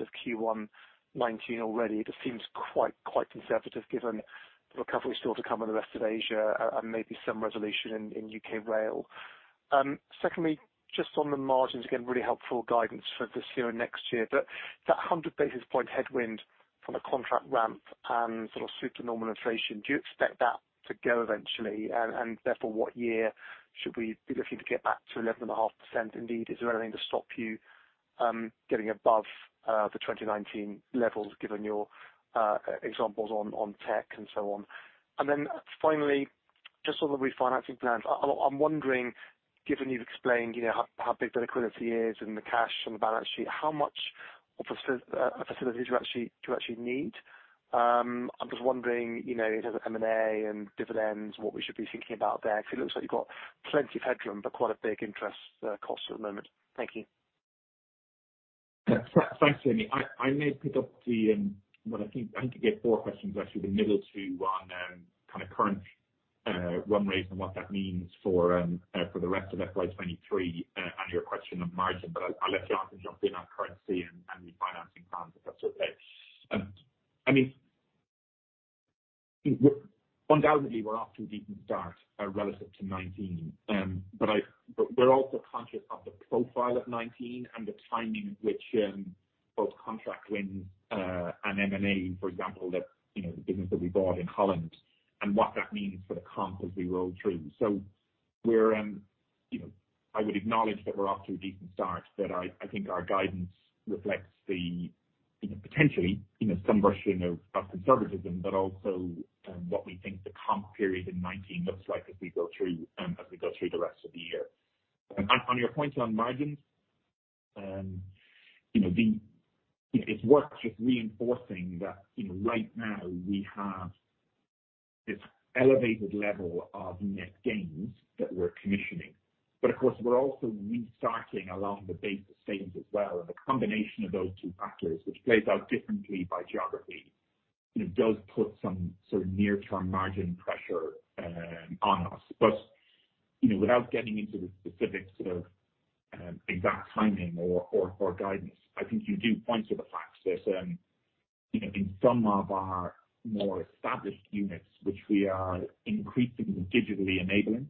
of Q1 19 already. That seems quite conservative given the recovery still to come in the rest of Asia and maybe some resolution in U.K. rail. Secondly, just on the margins, again, really helpful guidance for this year and next year. That 100 basis point headwind from the contract ramp and sort of super normal inflation, do you expect that to go eventually? Therefore, what year should we be looking to get back to 11.5%? Indeed, is there anything to stop you getting above the 2019 levels, given your examples on tech and so on? Finally, just on the refinancing plans, I'm wondering, given you've explained, you know, how big the liquidity is and the cash on the balance sheet, how much of a facility do you actually need? I'm just wondering, you know, in terms of M&A and dividends, what we should be thinking about there. Because it looks like you've got plenty of headroom, but quite a big interest cost at the moment. Thank you. Thanks, Jamie. I may pick up the, I think you gave 4 questions, actually the middle 2 on kind of current run rates and what that means for the rest of FY23 and your question on margin. I'll let Jonathan jump in on currency and refinancing plans, if that's okay. I mean, undoubtedly we're off to a decent start relative to 2019. We're also conscious of the profile of 2019 and the timing at which both contract wins and M&A, for example, that, you know, the business that we bought in Holland and what that means for the comp as we roll through. We're, you know, I would acknowledge that we're off to a decent start, but I think our guidance reflects the, you know, potentially, you know, some version of conservatism, but also what we think the comp period in 2019 looks like as we go through as we go through the rest of the year. On your point on margins, you know, the, you know, it's worth just reinforcing that, you know, right now we have this elevated level of net gains that we're commissioning. Of course, we're also restarting along the base estate as well. The combination of those 2 factors, which plays out differently by geography, you know, does put some sort of near-term margin pressure on us. You know, without getting into the specific sort of, exact timing or guidance, I think you do point to the fact that, you know, in some of our more established units, which we are increasingly digitally enabling,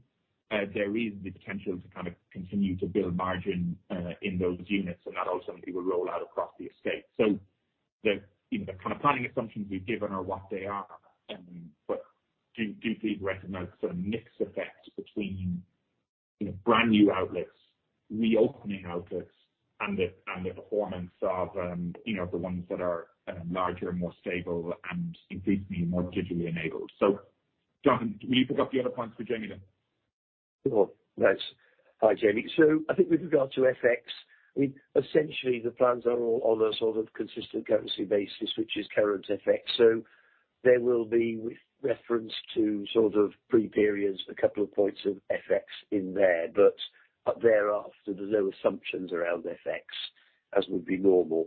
there is the potential to kind of continue to build margin, in those units, and that ultimately will roll out across the estate. The, you know, the kind of planning assumptions we've given are what they are. Do please recognize the mix effect between, you know, brand new outlets, reopening outlets and the performance of, you know, the ones that are larger and more stable and increasingly more digitally enabled. Jonathan, will you pick up the other points for Jamie then? Sure. Thanks. Hi, Jamie. I think with regard to FX, essentially the plans are all on a sort of consistent currency basis, which is current FX. There will be reference to sort of pre-periods, a couple of points of FX in there, but thereafter, there's no assumptions around FX as would be normal.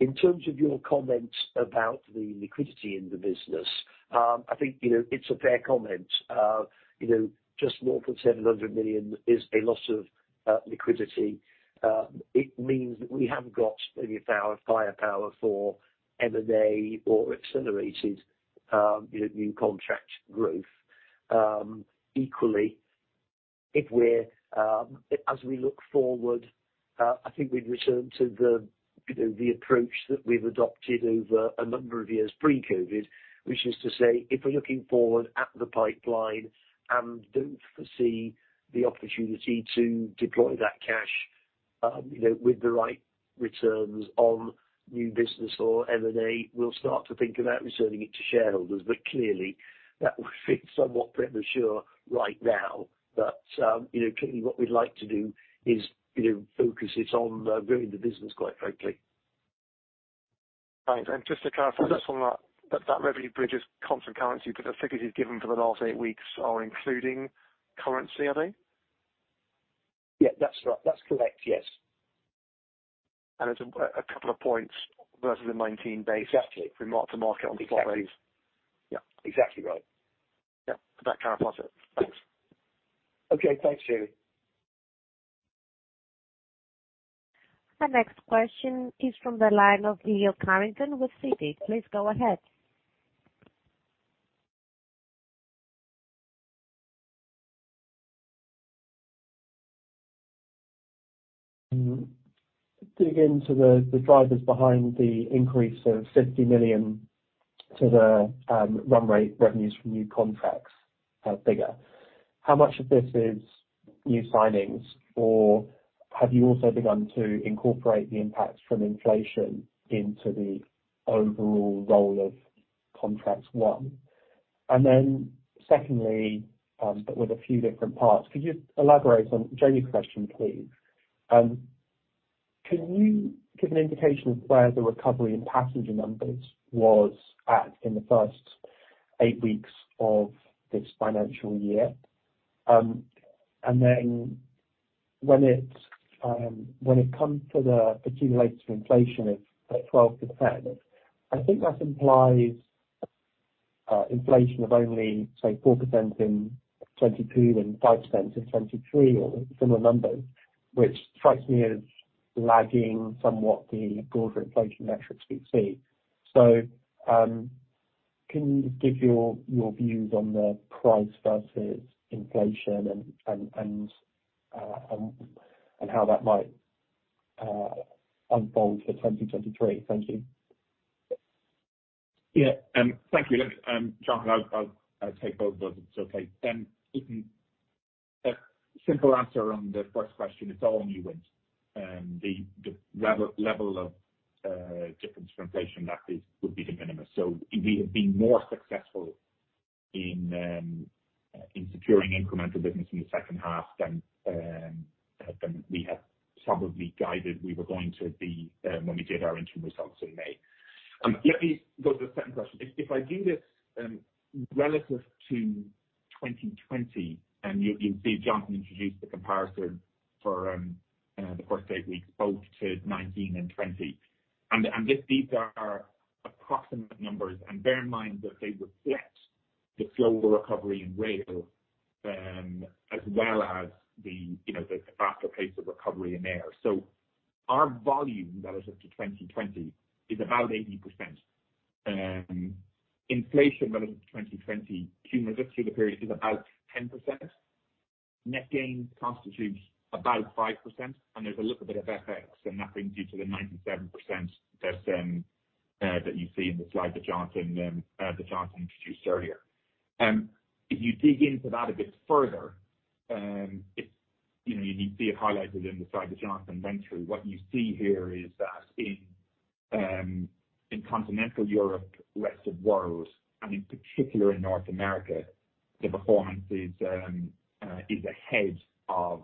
In terms of your comment about the liquidity in the business, I think, you know, it's a fair comment. You know, just north of 700 million is a lot of liquidity. It means that we haven't got any firepower for M&A or accelerated new contract growth. Equally, if we're as we look forward, I think we'd return to the, you know, the approach that we've adopted over a number of years pre-COVID, which is to say, if we're looking forward at the pipeline and don't foresee the opportunity to deploy that cash, you know, with the right returns on new business or M&A, we'll start to think about returning it to shareholders. Clearly that would be somewhat premature right now. Clearly what we'd like to do is, you know, focus it on growing the business, quite frankly. Right. Just to clarify this on that revenue bridge is constant currency, but the figures you've given for the last 8 weeks are including currency, are they? Yeah, that's right. That's correct, yes. It's a couple of points versus the 19 base. Exactly. From mark-to-market on the slide. Exactly. Yeah. Exactly right. Yeah. That clarifies it. Thanks. Okay. Thanks, Jamie. The next question is from the line of Leo Carrington with Citi. Please go ahead. Dig into the drivers behind the increase of 50 million to the run rate revenues from new contracts figure. How much of this is new signings, or have you also begun to incorporate the impacts from inflation into the overall role of Contracts One? Secondly, with a few different parts, could you elaborate on Jamie question, please? Can you give an indication of where the recovery in passenger numbers was at in the first 8 weeks of this financial year? When it comes to the accumulated inflation of 12%, I think that implies inflation of only, say, 4% in 2022 and 5% in 2023 or similar numbers, which strikes me as lagging somewhat the broader inflation metrics we see. Can you give your views on the price versus inflation and how that might unfold for 2023? Thank you. Yeah. Thank you. Look, Jonathan, I'll take both of those, if it's okay. Listen, a simple answer on the first question, it's all new wins. The level of difference from inflation, that is, would be de minimis. We have been more successful in securing incremental business in the H2 than we had probably guided we were going to be when we did our interim results in May. Let me go to the second question. If I do this relative to 2020, and you see Jonathan introduced the comparison for the first 8 weeks, both to 19 and 20. These are approximate numbers, and bear in mind that they reflect the slower recovery in rail, as well as, you know, the faster pace of recovery in air. Our volume relative to 2020 is about 80%. Inflation relative to 2020 cumulative through the period is about 10%. Net gain constitutes about 5%, and there's a little bit of FX and that brings you to the 97% that you see in the slide that Jonathan introduced earlier. If you dig into that a bit further, you know, you see it highlighted in the slide that Jonathan went through. What you see here is that in continental Europe, rest of world, and in particular in North America, the performance is ahead of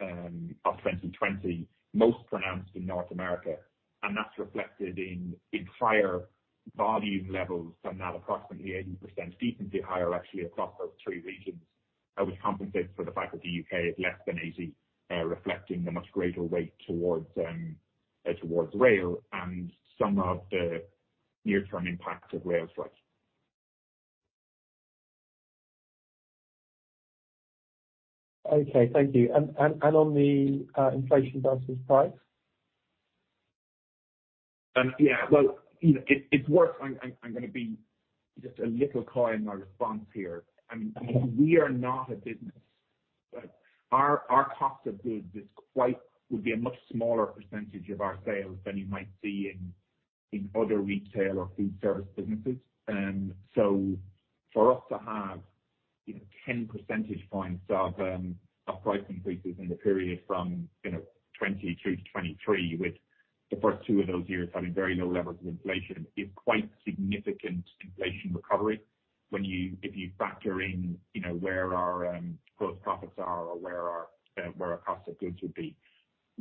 2020, most pronounced in North America. That's reflected in higher volume levels, some now approximately 80%, decently higher actually across those 3 regions, which compensate for the fact that the U.K. is less than 80, reflecting the much greater weight towards rail and some of the near-term impacts of rail strikes. Okay, thank you. On the inflation versus price? Yeah. Well, you know, I'm gonna be just a little coy in my response here. I mean, we are not a business. Our cost of goods would be a much smaller percentage of our sales than you might see in other retail or food service businesses. For us to have, you know, 10 percentage points of price increases in the period from, you know, 2022-2023, with the first 2 of those years having very low levels of inflation, is quite significant inflation recovery when if you factor in, you know, where our gross profits are or where our cost of goods would be.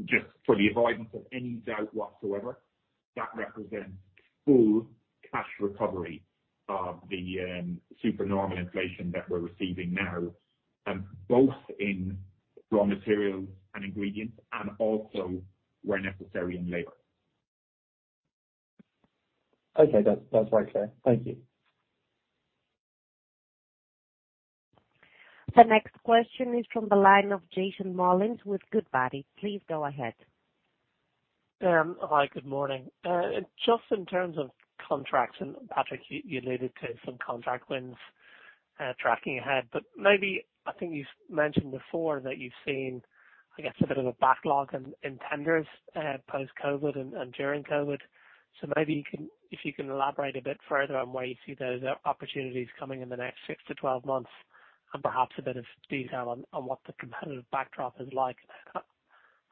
Just for the avoidance of any doubt whatsoever, that represents full cash recovery of the supernormal inflation that we're receiving now, both in raw materials and ingredients and also, where necessary, in labor. Okay. That's very clear. Thank you. The next question is from the line of Jason Molins with Goodbody. Please go ahead. Hi, good morning. Just in terms of contracts, Patrick, you alluded to some contract wins tracking ahead. Maybe I think you've mentioned before that you've seen, I guess, a bit of a backlog in tenders post-COVID and during COVID. Maybe if you can elaborate a bit further on where you see those opportunities coming in the next 6-12 months and perhaps a bit of detail on what the competitive backdrop is like,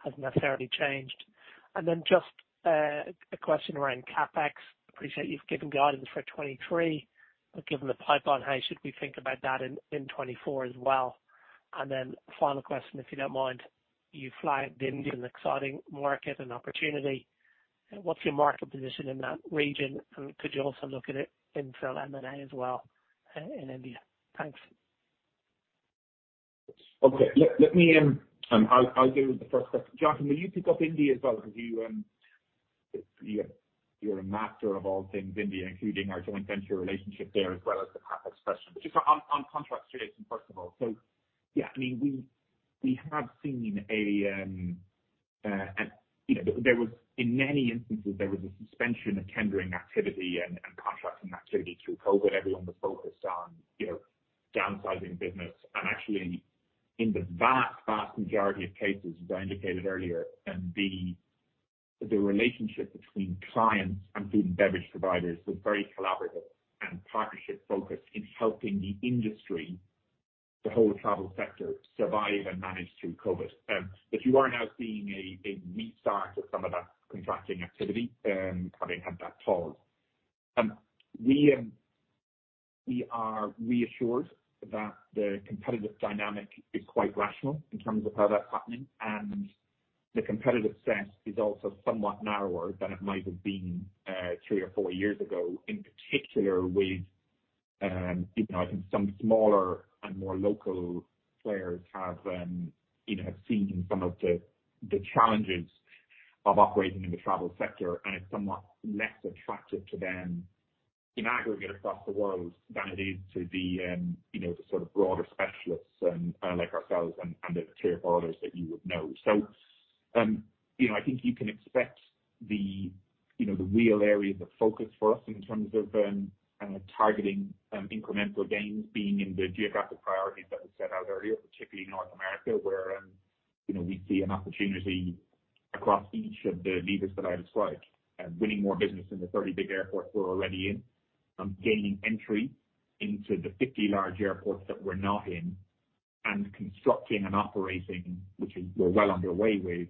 has necessarily changed. Just a question around CapEx. Appreciate you've given guidance for 2023, but given the pipeline, how should we think about that in 2024 as well? Final question, if you don't mind. You flagged India as an exciting market and opportunity. What's your market position in that region, and could you also look at it in terms of M&A as well in India? Thanks. Okay. Let me, I'll go with the first question. Jonathan, will you pick up India as well? Because you're a master of all things India, including our joint venture relationship there as well as the CapEx question. Just on contract, Jason, first of all. Yeah, I mean, we have seen, you know, there was in many instances, there was a suspension of tendering activity and contracting activity through COVID. Everyone was focused on, you know, downsizing business. Actually in the vast majority of cases, as I indicated earlier, the relationship between clients and food and beverage providers was very collaborative and partnership-focused in helping the industry, the whole travel sector, survive and manage through COVID. You are now seeing a restart of some of that contracting activity, having had that pause. We are reassured that the competitive dynamic is quite rational in terms of how that's happening, and the competitive set is also somewhat narrower than it might have been, 3 or 4 years ago. In particular with, you know, I think some smaller and more local players have, you know, seen some of the challenges of operating in the travel sector, and it's somewhat less attractive to them in aggregate across the world than it is to the, you know, the sort of broader specialists, like ourselves and the tier followers that you would know. You know, I think you can expect the, you know, the real areas of focus for us in terms of targeting incremental gains, being in the geographic priorities that we set out earlier, particularly in North America, where, you know, we see an opportunity across each of the levers that I described, winning more business in the 30 big airports we're already in, gaining entry into the 50 large airports that we're not in, and constructing and operating, which is we're well underway with,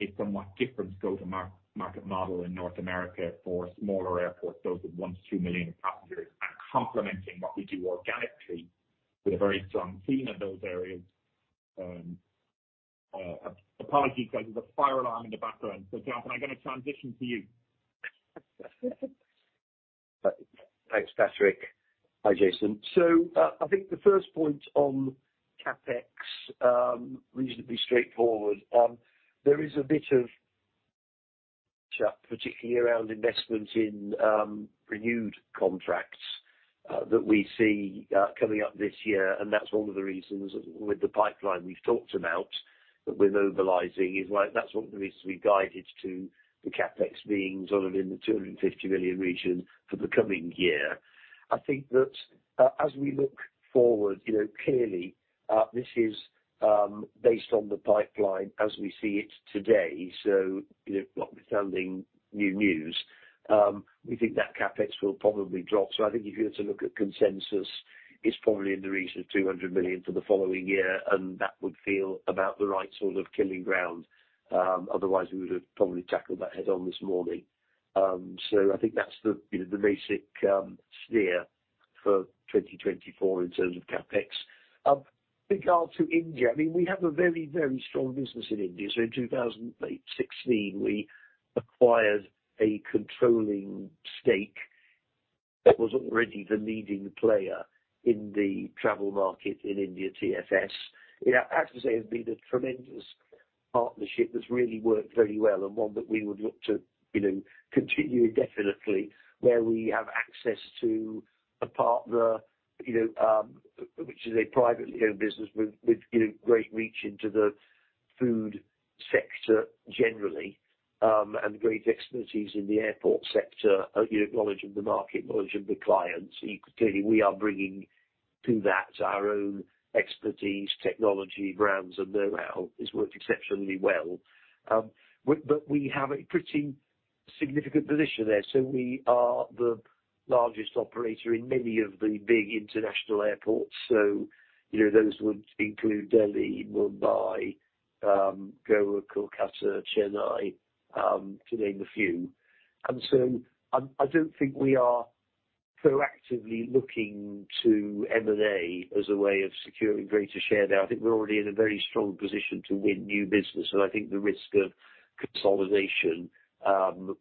a somewhat different go-to-market model in North America for smaller airports, those with 1 to 2 million passengers. Complementing what we do organically with a very strong team in those areas. Apologies, guys. There's a fire alarm in the background. Jonathan, I'm gonna transition to you. Thanks, Patrick. Hi, Jason. I think the first point on CapEx, reasonably straightforward. There is a bit of particularly around investment in renewed contracts that we see coming up this year, and that's one of the reasons with the pipeline we've talked about that we're mobilizing is why that's one of the reasons we guided to the CapEx being sort of in the 250 million region for the coming year. I think that, as we look forward, you know, clearly, this is based on the pipeline as we see it today. You know, notwithstanding new news, we think that CapEx will probably drop. I think if you were to look at consensus, it's probably in the region of 200 million for the following year, and that would feel about the right sort of killing ground. Otherwise we would have probably tackled that head on this morning. I think that's the, you know, the basic steer for 2024 in terms of CapEx. Regard to India, I mean, we have a very, very strong business in India. In 2016, we acquired a controlling stake that was already the leading player in the travel market in India, TFS. You know, I have to say, it's been a tremendous partnership that's really worked very well and one that we would look to, you know, continue indefinitely, where we have access to a partner, you know, which is a privately owned business with, you know, great reach into the food sector generally, and great expertise in the airport sector, you know, knowledge of the market, knowledge of the clients. Clearly, we are bringing to that our own expertise, technology, brands, and know-how. It's worked exceptionally well. But we have a pretty significant position there. We are the largest operator in many of the big international airports. You know, those would include Delhi, Mumbai, Goa, Kolkata, Chennai, to name a few. I don't think we are proactively looking to M&A as a way of securing greater share there. I think we're already in a very strong position to win new business. I think the risk of consolidation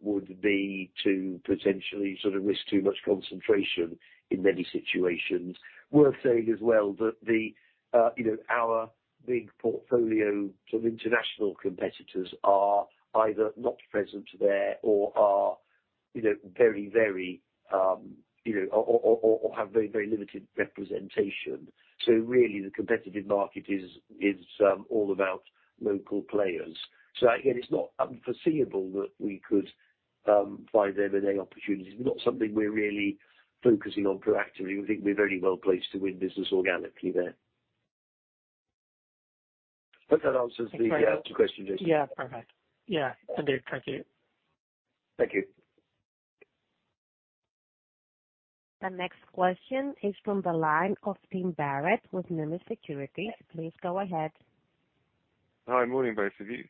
would be to potentially sort of risk too much concentration in many situations. Worth saying as well that the, you know, our big portfolio of international competitors are either not present there or are, you know, very, very limited representation. Really the competitive market is all about local players. Again, it's not unforeseeable that we could find M&A opportunities. Not something we're really focusing on proactively. We think we're very well placed to win business organically there. Hope that answers the. Thanks very much. Question, Jason. Yeah. Perfect. Yeah. Indeed. Thank you. Thank you. The next question is from the line of Tim Barrett with Numis Securities. Please go ahead. Hi. Morning, both of you.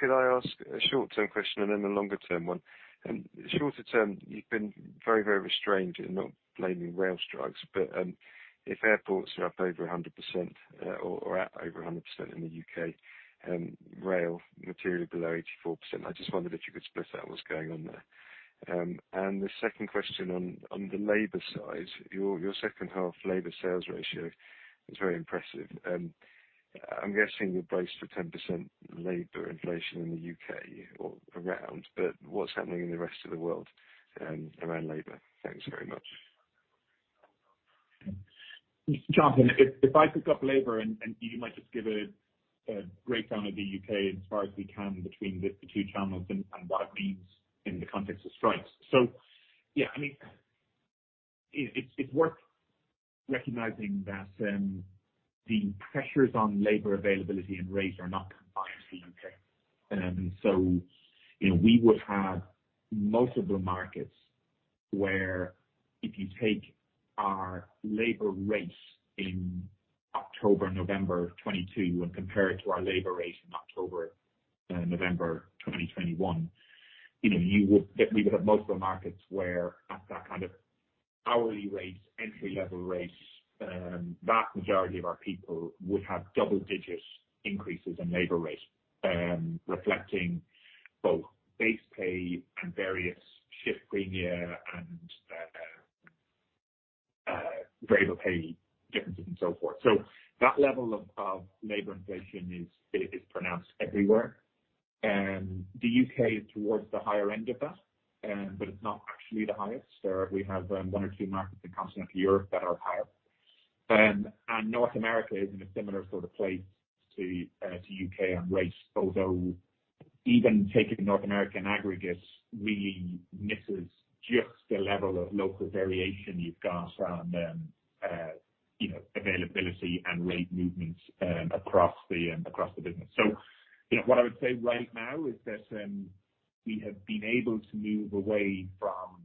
Could I ask a short-term question and then a longer term one? Shorter term, you've been very, very restrained in not blaming rail strikes. If airports are up over 100%, or at over 100% in the U.K., rail materially below 84%, I just wondered if you could split out what's going on there. The second question on the labor side, your H2 labor sales ratio is very impressive. I'm guessing you're braced for 10% labor inflation in the U.K. or around. What's happening in the rest of the world around labor? Thanks very much. Jonathan, if I pick up labor and you might just give a breakdown of the U.K. as far as we can between the 2 channels and what it means in the context of strikes. Yeah, I mean, it's worth recognizing that the pressures on labor availability and rates are not confined to the U.K. You know, we would have multiple markets where if you take our labor rates in October, November 2022 and compare it to our labor rates in October, November 2021, you know, We would have multiple markets where at that kind of hourly rate, entry-level rates, vast majority of our people would have double digits increases in labor rates, reflecting both base pay and various shift premium and rate of pay differences and so forth. That level of labor inflation is pronounced everywhere. The U.K. is towards the higher end of that, but it's not actually the highest. We have 1 or 2 markets in continental Europe that are higher. North America is in a similar sort of place to U.K. on rates, although even taking North American aggregates really misses just the level of local variation you've got around, you know, availability and rate movements across the business. You know, what I would say right now is that we have been able to move away from,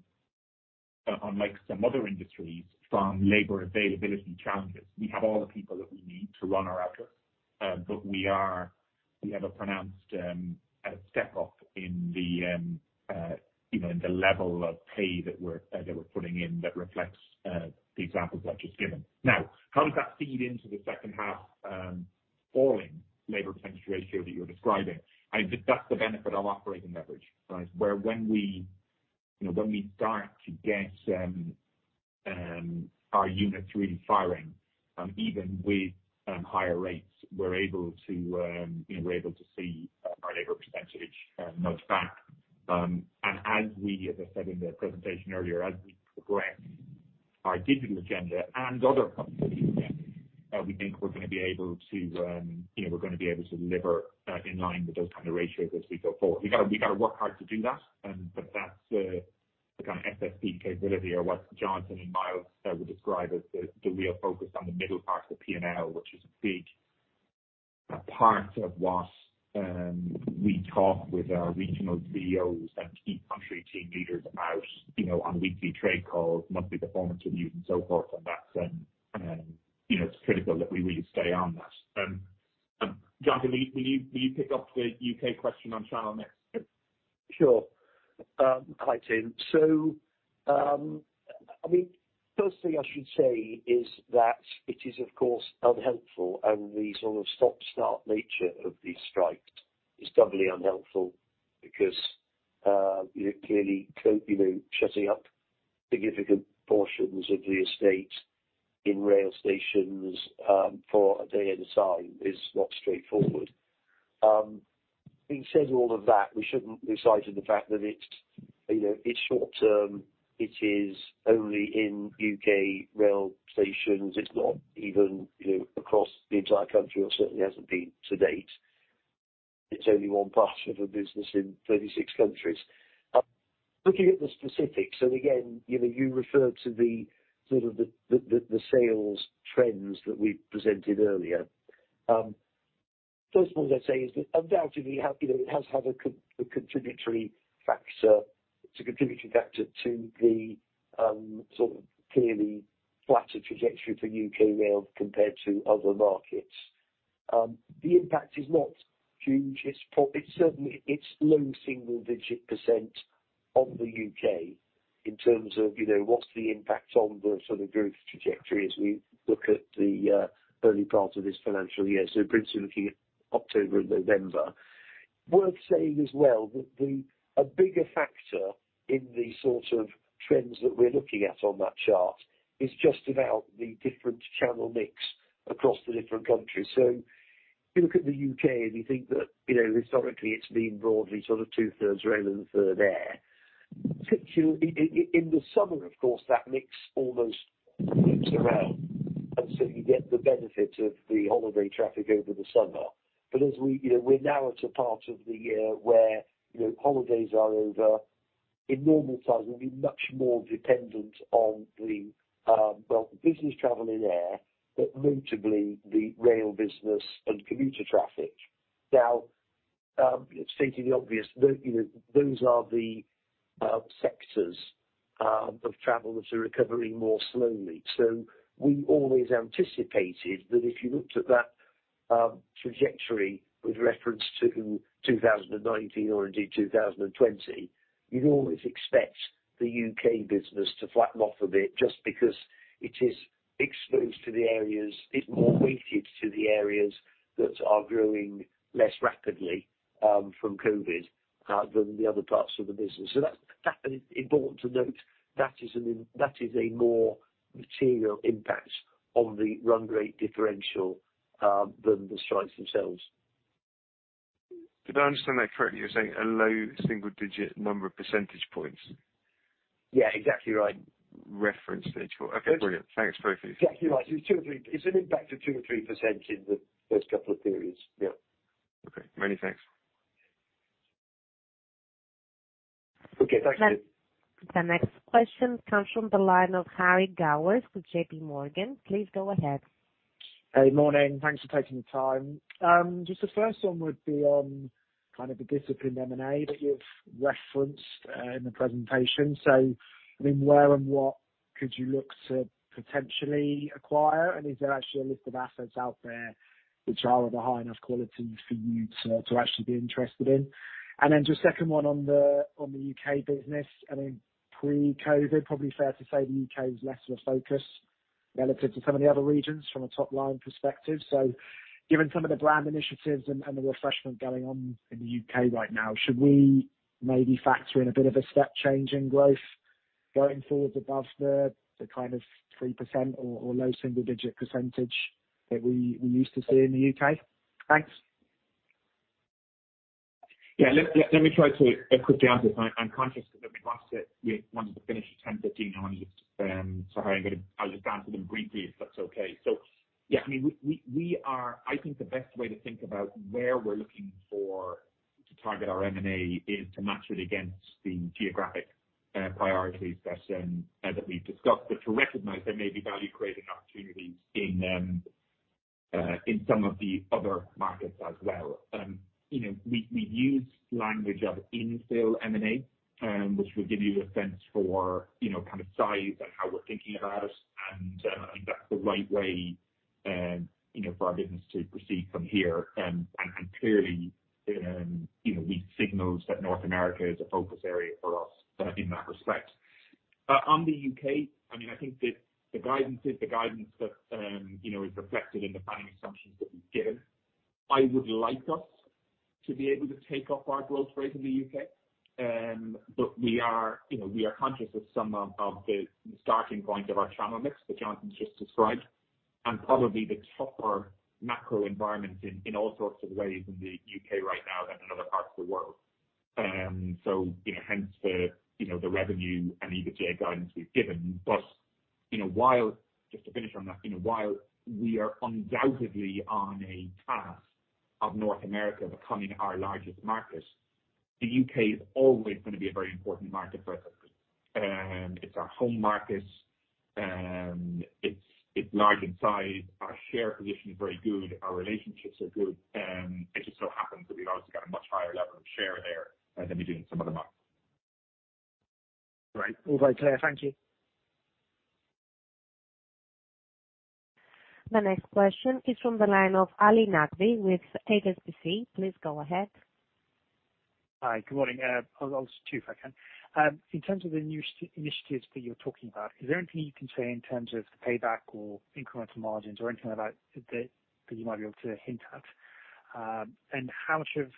unlike some other industries, from labor availability challenges. We have all the people that we need to run our output. We have a pronounced step up in the, you know, in the level of pay that we're putting in that reflects the examples I've just given. Now, how does that feed into the H2, falling labor % ratio that you're describing? I think that's the benefit of operating leverage, right? Where when we, you know, when we start to get our units really firing, even with higher rates, we're able to, you know, we're able to see our labor % move back. As we, as I said in the presentation earlier, as we progress our digital agenda and other productivity agenda, we think we're gonna be able to, you know, we're gonna be able to deliver, in line with those kind of ratios as we go forward. We gotta work hard to do that. That's the kind of SSP capability or what Jonathan and Miles would describe as the real focus on the middle part of the P&L, which is a big part of what we talk with our regional CEOs and key country team leaders about, you know, on weekly trade calls, monthly performance reviews and so forth, and that's, you know, it's critical that we really stay on that. John, can you, will you pick up the U.K. question on channel mix? Sure. Hi, Tim. I mean, first thing I should say is that it is, of course, unhelpful and the sort of stop-start nature of these strikes is doubly unhelpful because, you know, clearly shutting up significant portions of the estate in rail stations for a day at a time is not straightforward. Having said all of that, we shouldn't be sighted the fact that, you know, it's short term. It is only in U.K. rail stations. It's not even, you know, across the entire country or certainly hasn't been to date. It's only one part of a business in 36 countries. Looking at the specifics, again, you know, you referred to the, sort of the sales trends that we presented earlier. First of all, as I say, is that undoubtedly, you know, it's a contributing factor to the sort of clearly flatter trajectory for U.K. rail compared to other markets. The impact is not huge. It's certainly, it's low single digit % on the U.K. in terms of, you know, what's the impact on the sort of growth trajectory as we look at the early part of this financial year. Principally looking at October and November. Worth saying as well that a bigger factor in the sorts of trends that we're looking at on that chart is just about the different channel mix across the different countries. If you look at the U.K. and you think that, you know, historically it's been broadly sort of 2/3 rail and a third air. Particularly in the summer, of course, that mix almost flips around, you get the benefit of the holiday traffic over the summer. As we, you know, we're now at a part of the year where, you know, holidays are over. In normal times, we'd be much more dependent on the, well, the business travel in air, but notably the rail business and commuter traffic. stating the obvious, the, you know, those are the sectors of travel that are recovering more slowly. We always anticipated that if you looked at that, trajectory with reference to 2019 or indeed 2020, you'd always expect the U.K. business to flatten off a bit just because it is exposed to the areas, it's more weighted to the areas that are growing less rapidly, from COVID than the other parts of the business. That, and it's important to note that is a more material impact on the run rate differential, than the strikes themselves. Did I understand that correctly? You're saying a low single digit number of percentage points? Yeah, exactly right. Referenced H4. Okay, brilliant. Thanks very much. Exactly right. It's an impact of 2% or 3% in the first couple of periods. Yeah. Okay, many thanks. Okay, thanks. The next question comes from the line of Harry Gowers with J.P. Morgan. Please go ahead. Hey, morning. Thanks for taking the time. Just the first one would be on kind of the disciplined M&A that you've referenced in the presentation. I mean, where and what could you look to potentially acquire? Is there actually a list of assets out there which are of a high enough quality for you to actually be interested in? Just second one on the U.K. business. I mean, pre-COVID, probably fair to say the U.K. was less of a focus relative to some of the other regions from a top line perspective. Given some of the brand initiatives and the refreshment going on in the U.K. right now, should we maybe factor in a bit of a step change in growth going forward above the kind of 3% or low single-digit % that we used to see in the U.K.? Thanks. Yeah. Let me try to quickly answer. I'm conscious that we wanted to finish at 10:15. I wanna just, sorry, I'll just answer them briefly if that's okay. Yeah, I mean, we are I think the best way to think about where we're looking for to target our M&A is to match it against the geographic priorities that we've discussed. To recognize there may be value creating opportunities in some of the other markets as well. You know, we use language of infill M&A, which will give you a sense for, you know, kind of size and how we're thinking about it. I think that's the right way, you know, for our business to proceed from here. Clearly, you know, we signaled that North America is a focus area for us in that respect. On the U.K., I mean, I think the guidance is the guidance that, you know, is reflected in the planning assumptions that we've given. I would like us to be able to take up our growth rate in the U.K. We are, you know, we are conscious of some of the starting point of our channel mix that Jonathan's just described, and probably the tougher macro environment in all sorts of ways in the U.K. right now than in other parts of the world. You know, hence the, you know, the revenue and EBITDA guidance we've given. You know, while. Just to finish on that. You know, while we are undoubtedly on a path of North America becoming our largest market, the U.K. is always gonna be a very important market for us. It's our home market. It's large in size. Our share position is very good. Our relationships are good. It just so happens that we've obviously got a much higher level of share there than we do in some other markets. Great. All very clear. Thank you. The next question is from the line of Ali Naqvi with HSBC. Please go ahead. Hi, good morning. I'll ask 2 if I can. In terms of the new initiatives that you're talking about, is there anything you can say in terms of the payback or incremental margins or anything like that you might be able to hint at? How much of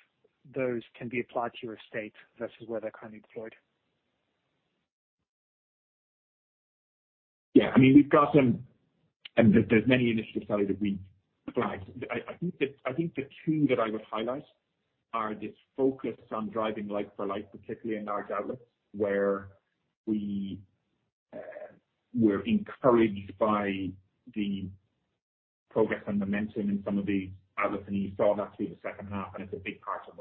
those can be applied to your estate versus where they're currently deployed? Yeah, I mean, we've got many initiatives, Charlie, that we flag. I think the 2 that I would highlight are this focus on driving Like-for-Like, particularly in large outlets, where we're encouraged by the progress and momentum in some of these outlets. You saw that through the H2, and it's a big part of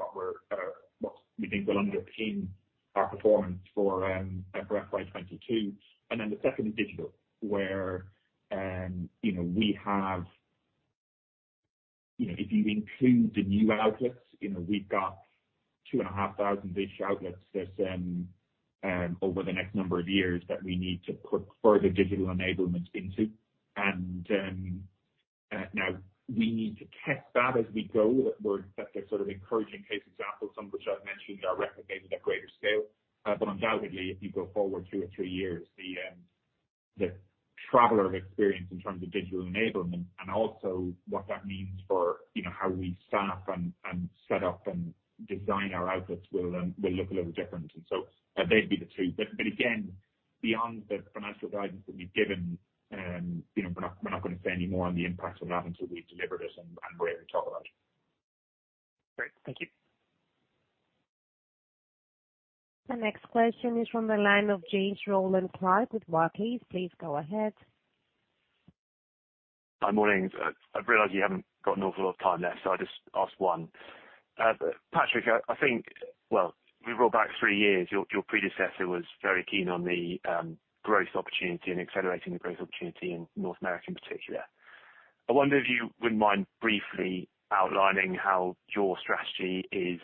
what we think will underpin our performance for FY22. The second is digital, where, you know, if you include the new outlets, you know, we've got 2,500-ish outlets that over the next number of years that we need to put further digital enablements into. Now we need to test that as we go. There's sort of encouraging case examples, some of which I've mentioned are replicated at greater scale. Undoubtedly, if you go forward 2 or 3 years, the traveler experience in terms of digital enablement and also what that means for, you know, how we staff and set up and design our outlets will look a little different. They'd be the 2. Again, beyond the financial guidance that we've given, you know, we're not gonna say any more on the impact of that until we've delivered it and be able to talk about it. Great. Thank you. The next question is from the line of James Rowland Clark with Barclays. Please go ahead. Hi. Morning. I realize you haven't got an awful lot of time left, so I'll just ask one. Patrick, I think. Well, we roll back 3 years, your predecessor was very keen on the growth opportunity and accelerating the growth opportunity in North America in particular. I wonder if you wouldn't mind briefly outlining how your strategy is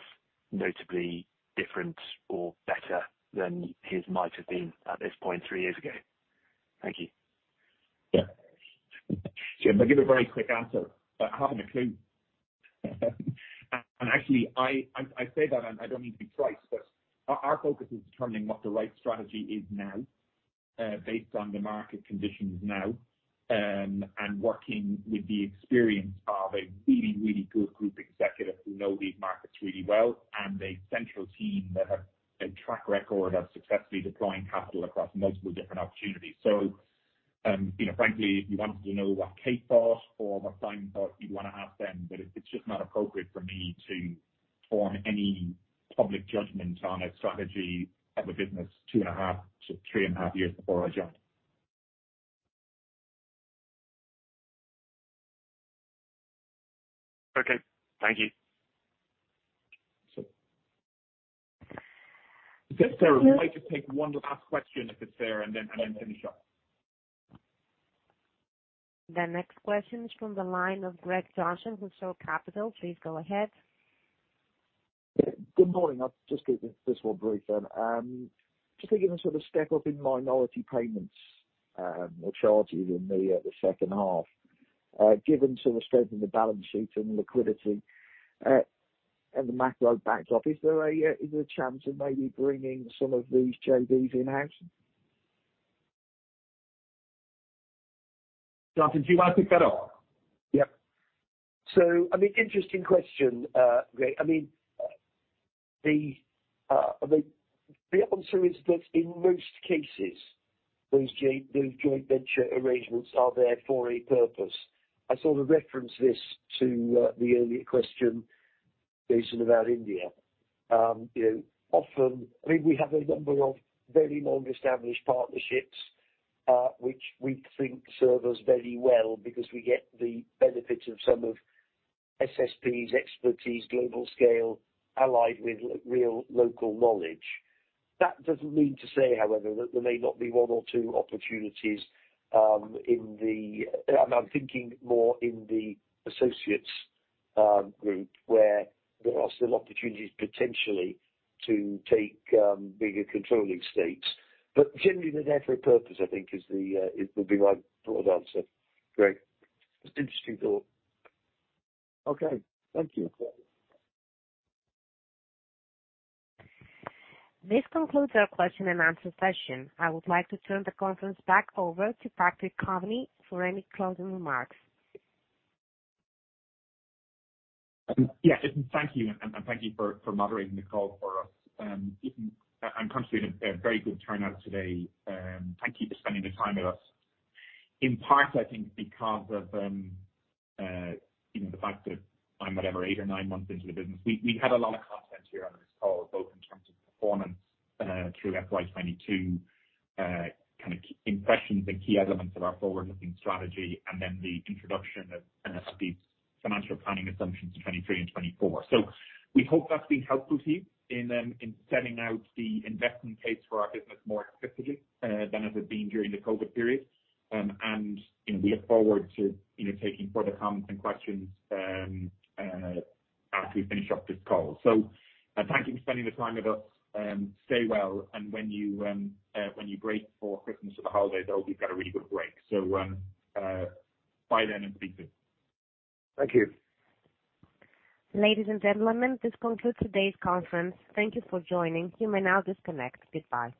notably different or better than his might have been at this point 3 years ago. Thank you. Yeah. James, I'll give a very quick answer. I haven't a clue. Actually, I say that and I don't mean to be trite, our focus is determining what the right strategy is now, based on the market conditions now, working with the experience of a really, really good group executive who know these markets really well, and a central team that have a track record of successfully deploying capital across multiple different opportunities. You know, frankly, if you wanted to know what Kate thought or what Simon thought, you'd wanna ask them, but it's just not appropriate for me to form any public judgment on a strategy of a business two and a half to three and a half years before I joined. Okay. Thank you. Sure. I think we might just take one last question if it's there and then finish up. The next question is from the line of Greg Johnson with Shore Capital. Please go ahead. Good morning. I'll just keep this one brief then. Just thinking of sort of step up in minority payments, or charges in the H2, given sort of the strength in the balance sheet and liquidity and the macro backdrop, is there a chance of maybe bringing some of these JVs in-house? Jonathan, do you wanna pick that up? Yep. I mean, interesting question, Greg. I mean, the answer is that in most cases, those joint venture arrangements are there for a purpose. I sort of referenced this to the earlier question, Jason, about India. You know, often, I mean, we have a number of very long-established partnerships, which we think serve us very well because we get the benefit of some of SSP's expertise, global scale, allied with real local knowledge. That doesn't mean to say, however, that there may not be 1 or 2 opportunities. And I'm thinking more in the associates group, where there are still opportunities potentially to take bigger controlling stakes. Generally, they're there for a purpose, I think is the, it would be my broad answer, Greg. Interesting thought. Okay. Thank you. This concludes our Q&A session. I would like to turn the conference back over to Patrick Coveney for any closing remarks. Yeah. Thank you. Thank you for moderating the call for us. I'm conscious of a very good turnout today. Thank you for spending the time with us. In part, I think because of, you know, the fact that I'm whatever, 8 or 9 months into the business, we had a lot of content here on this call, both in terms of performance, through FY22, kind of impressions and key elements of our forward-looking strategy, and then the introduction of the financial planning assumptions of 2023 and 2024. We hope that's been helpful to you in setting out the investment case for our business more effectively than it had been during the COVID period. You know, we look forward to, you know, taking further comments and questions after we finish off this call. Thank you for spending the time with us. Stay well. When you break for Christmas or the holiday, I hope you've got a really good break. Bye then, and be good. Thank you. Ladies and gentlemen, this concludes today's conference. Thank you for joining. You may now disconnect. Goodbye.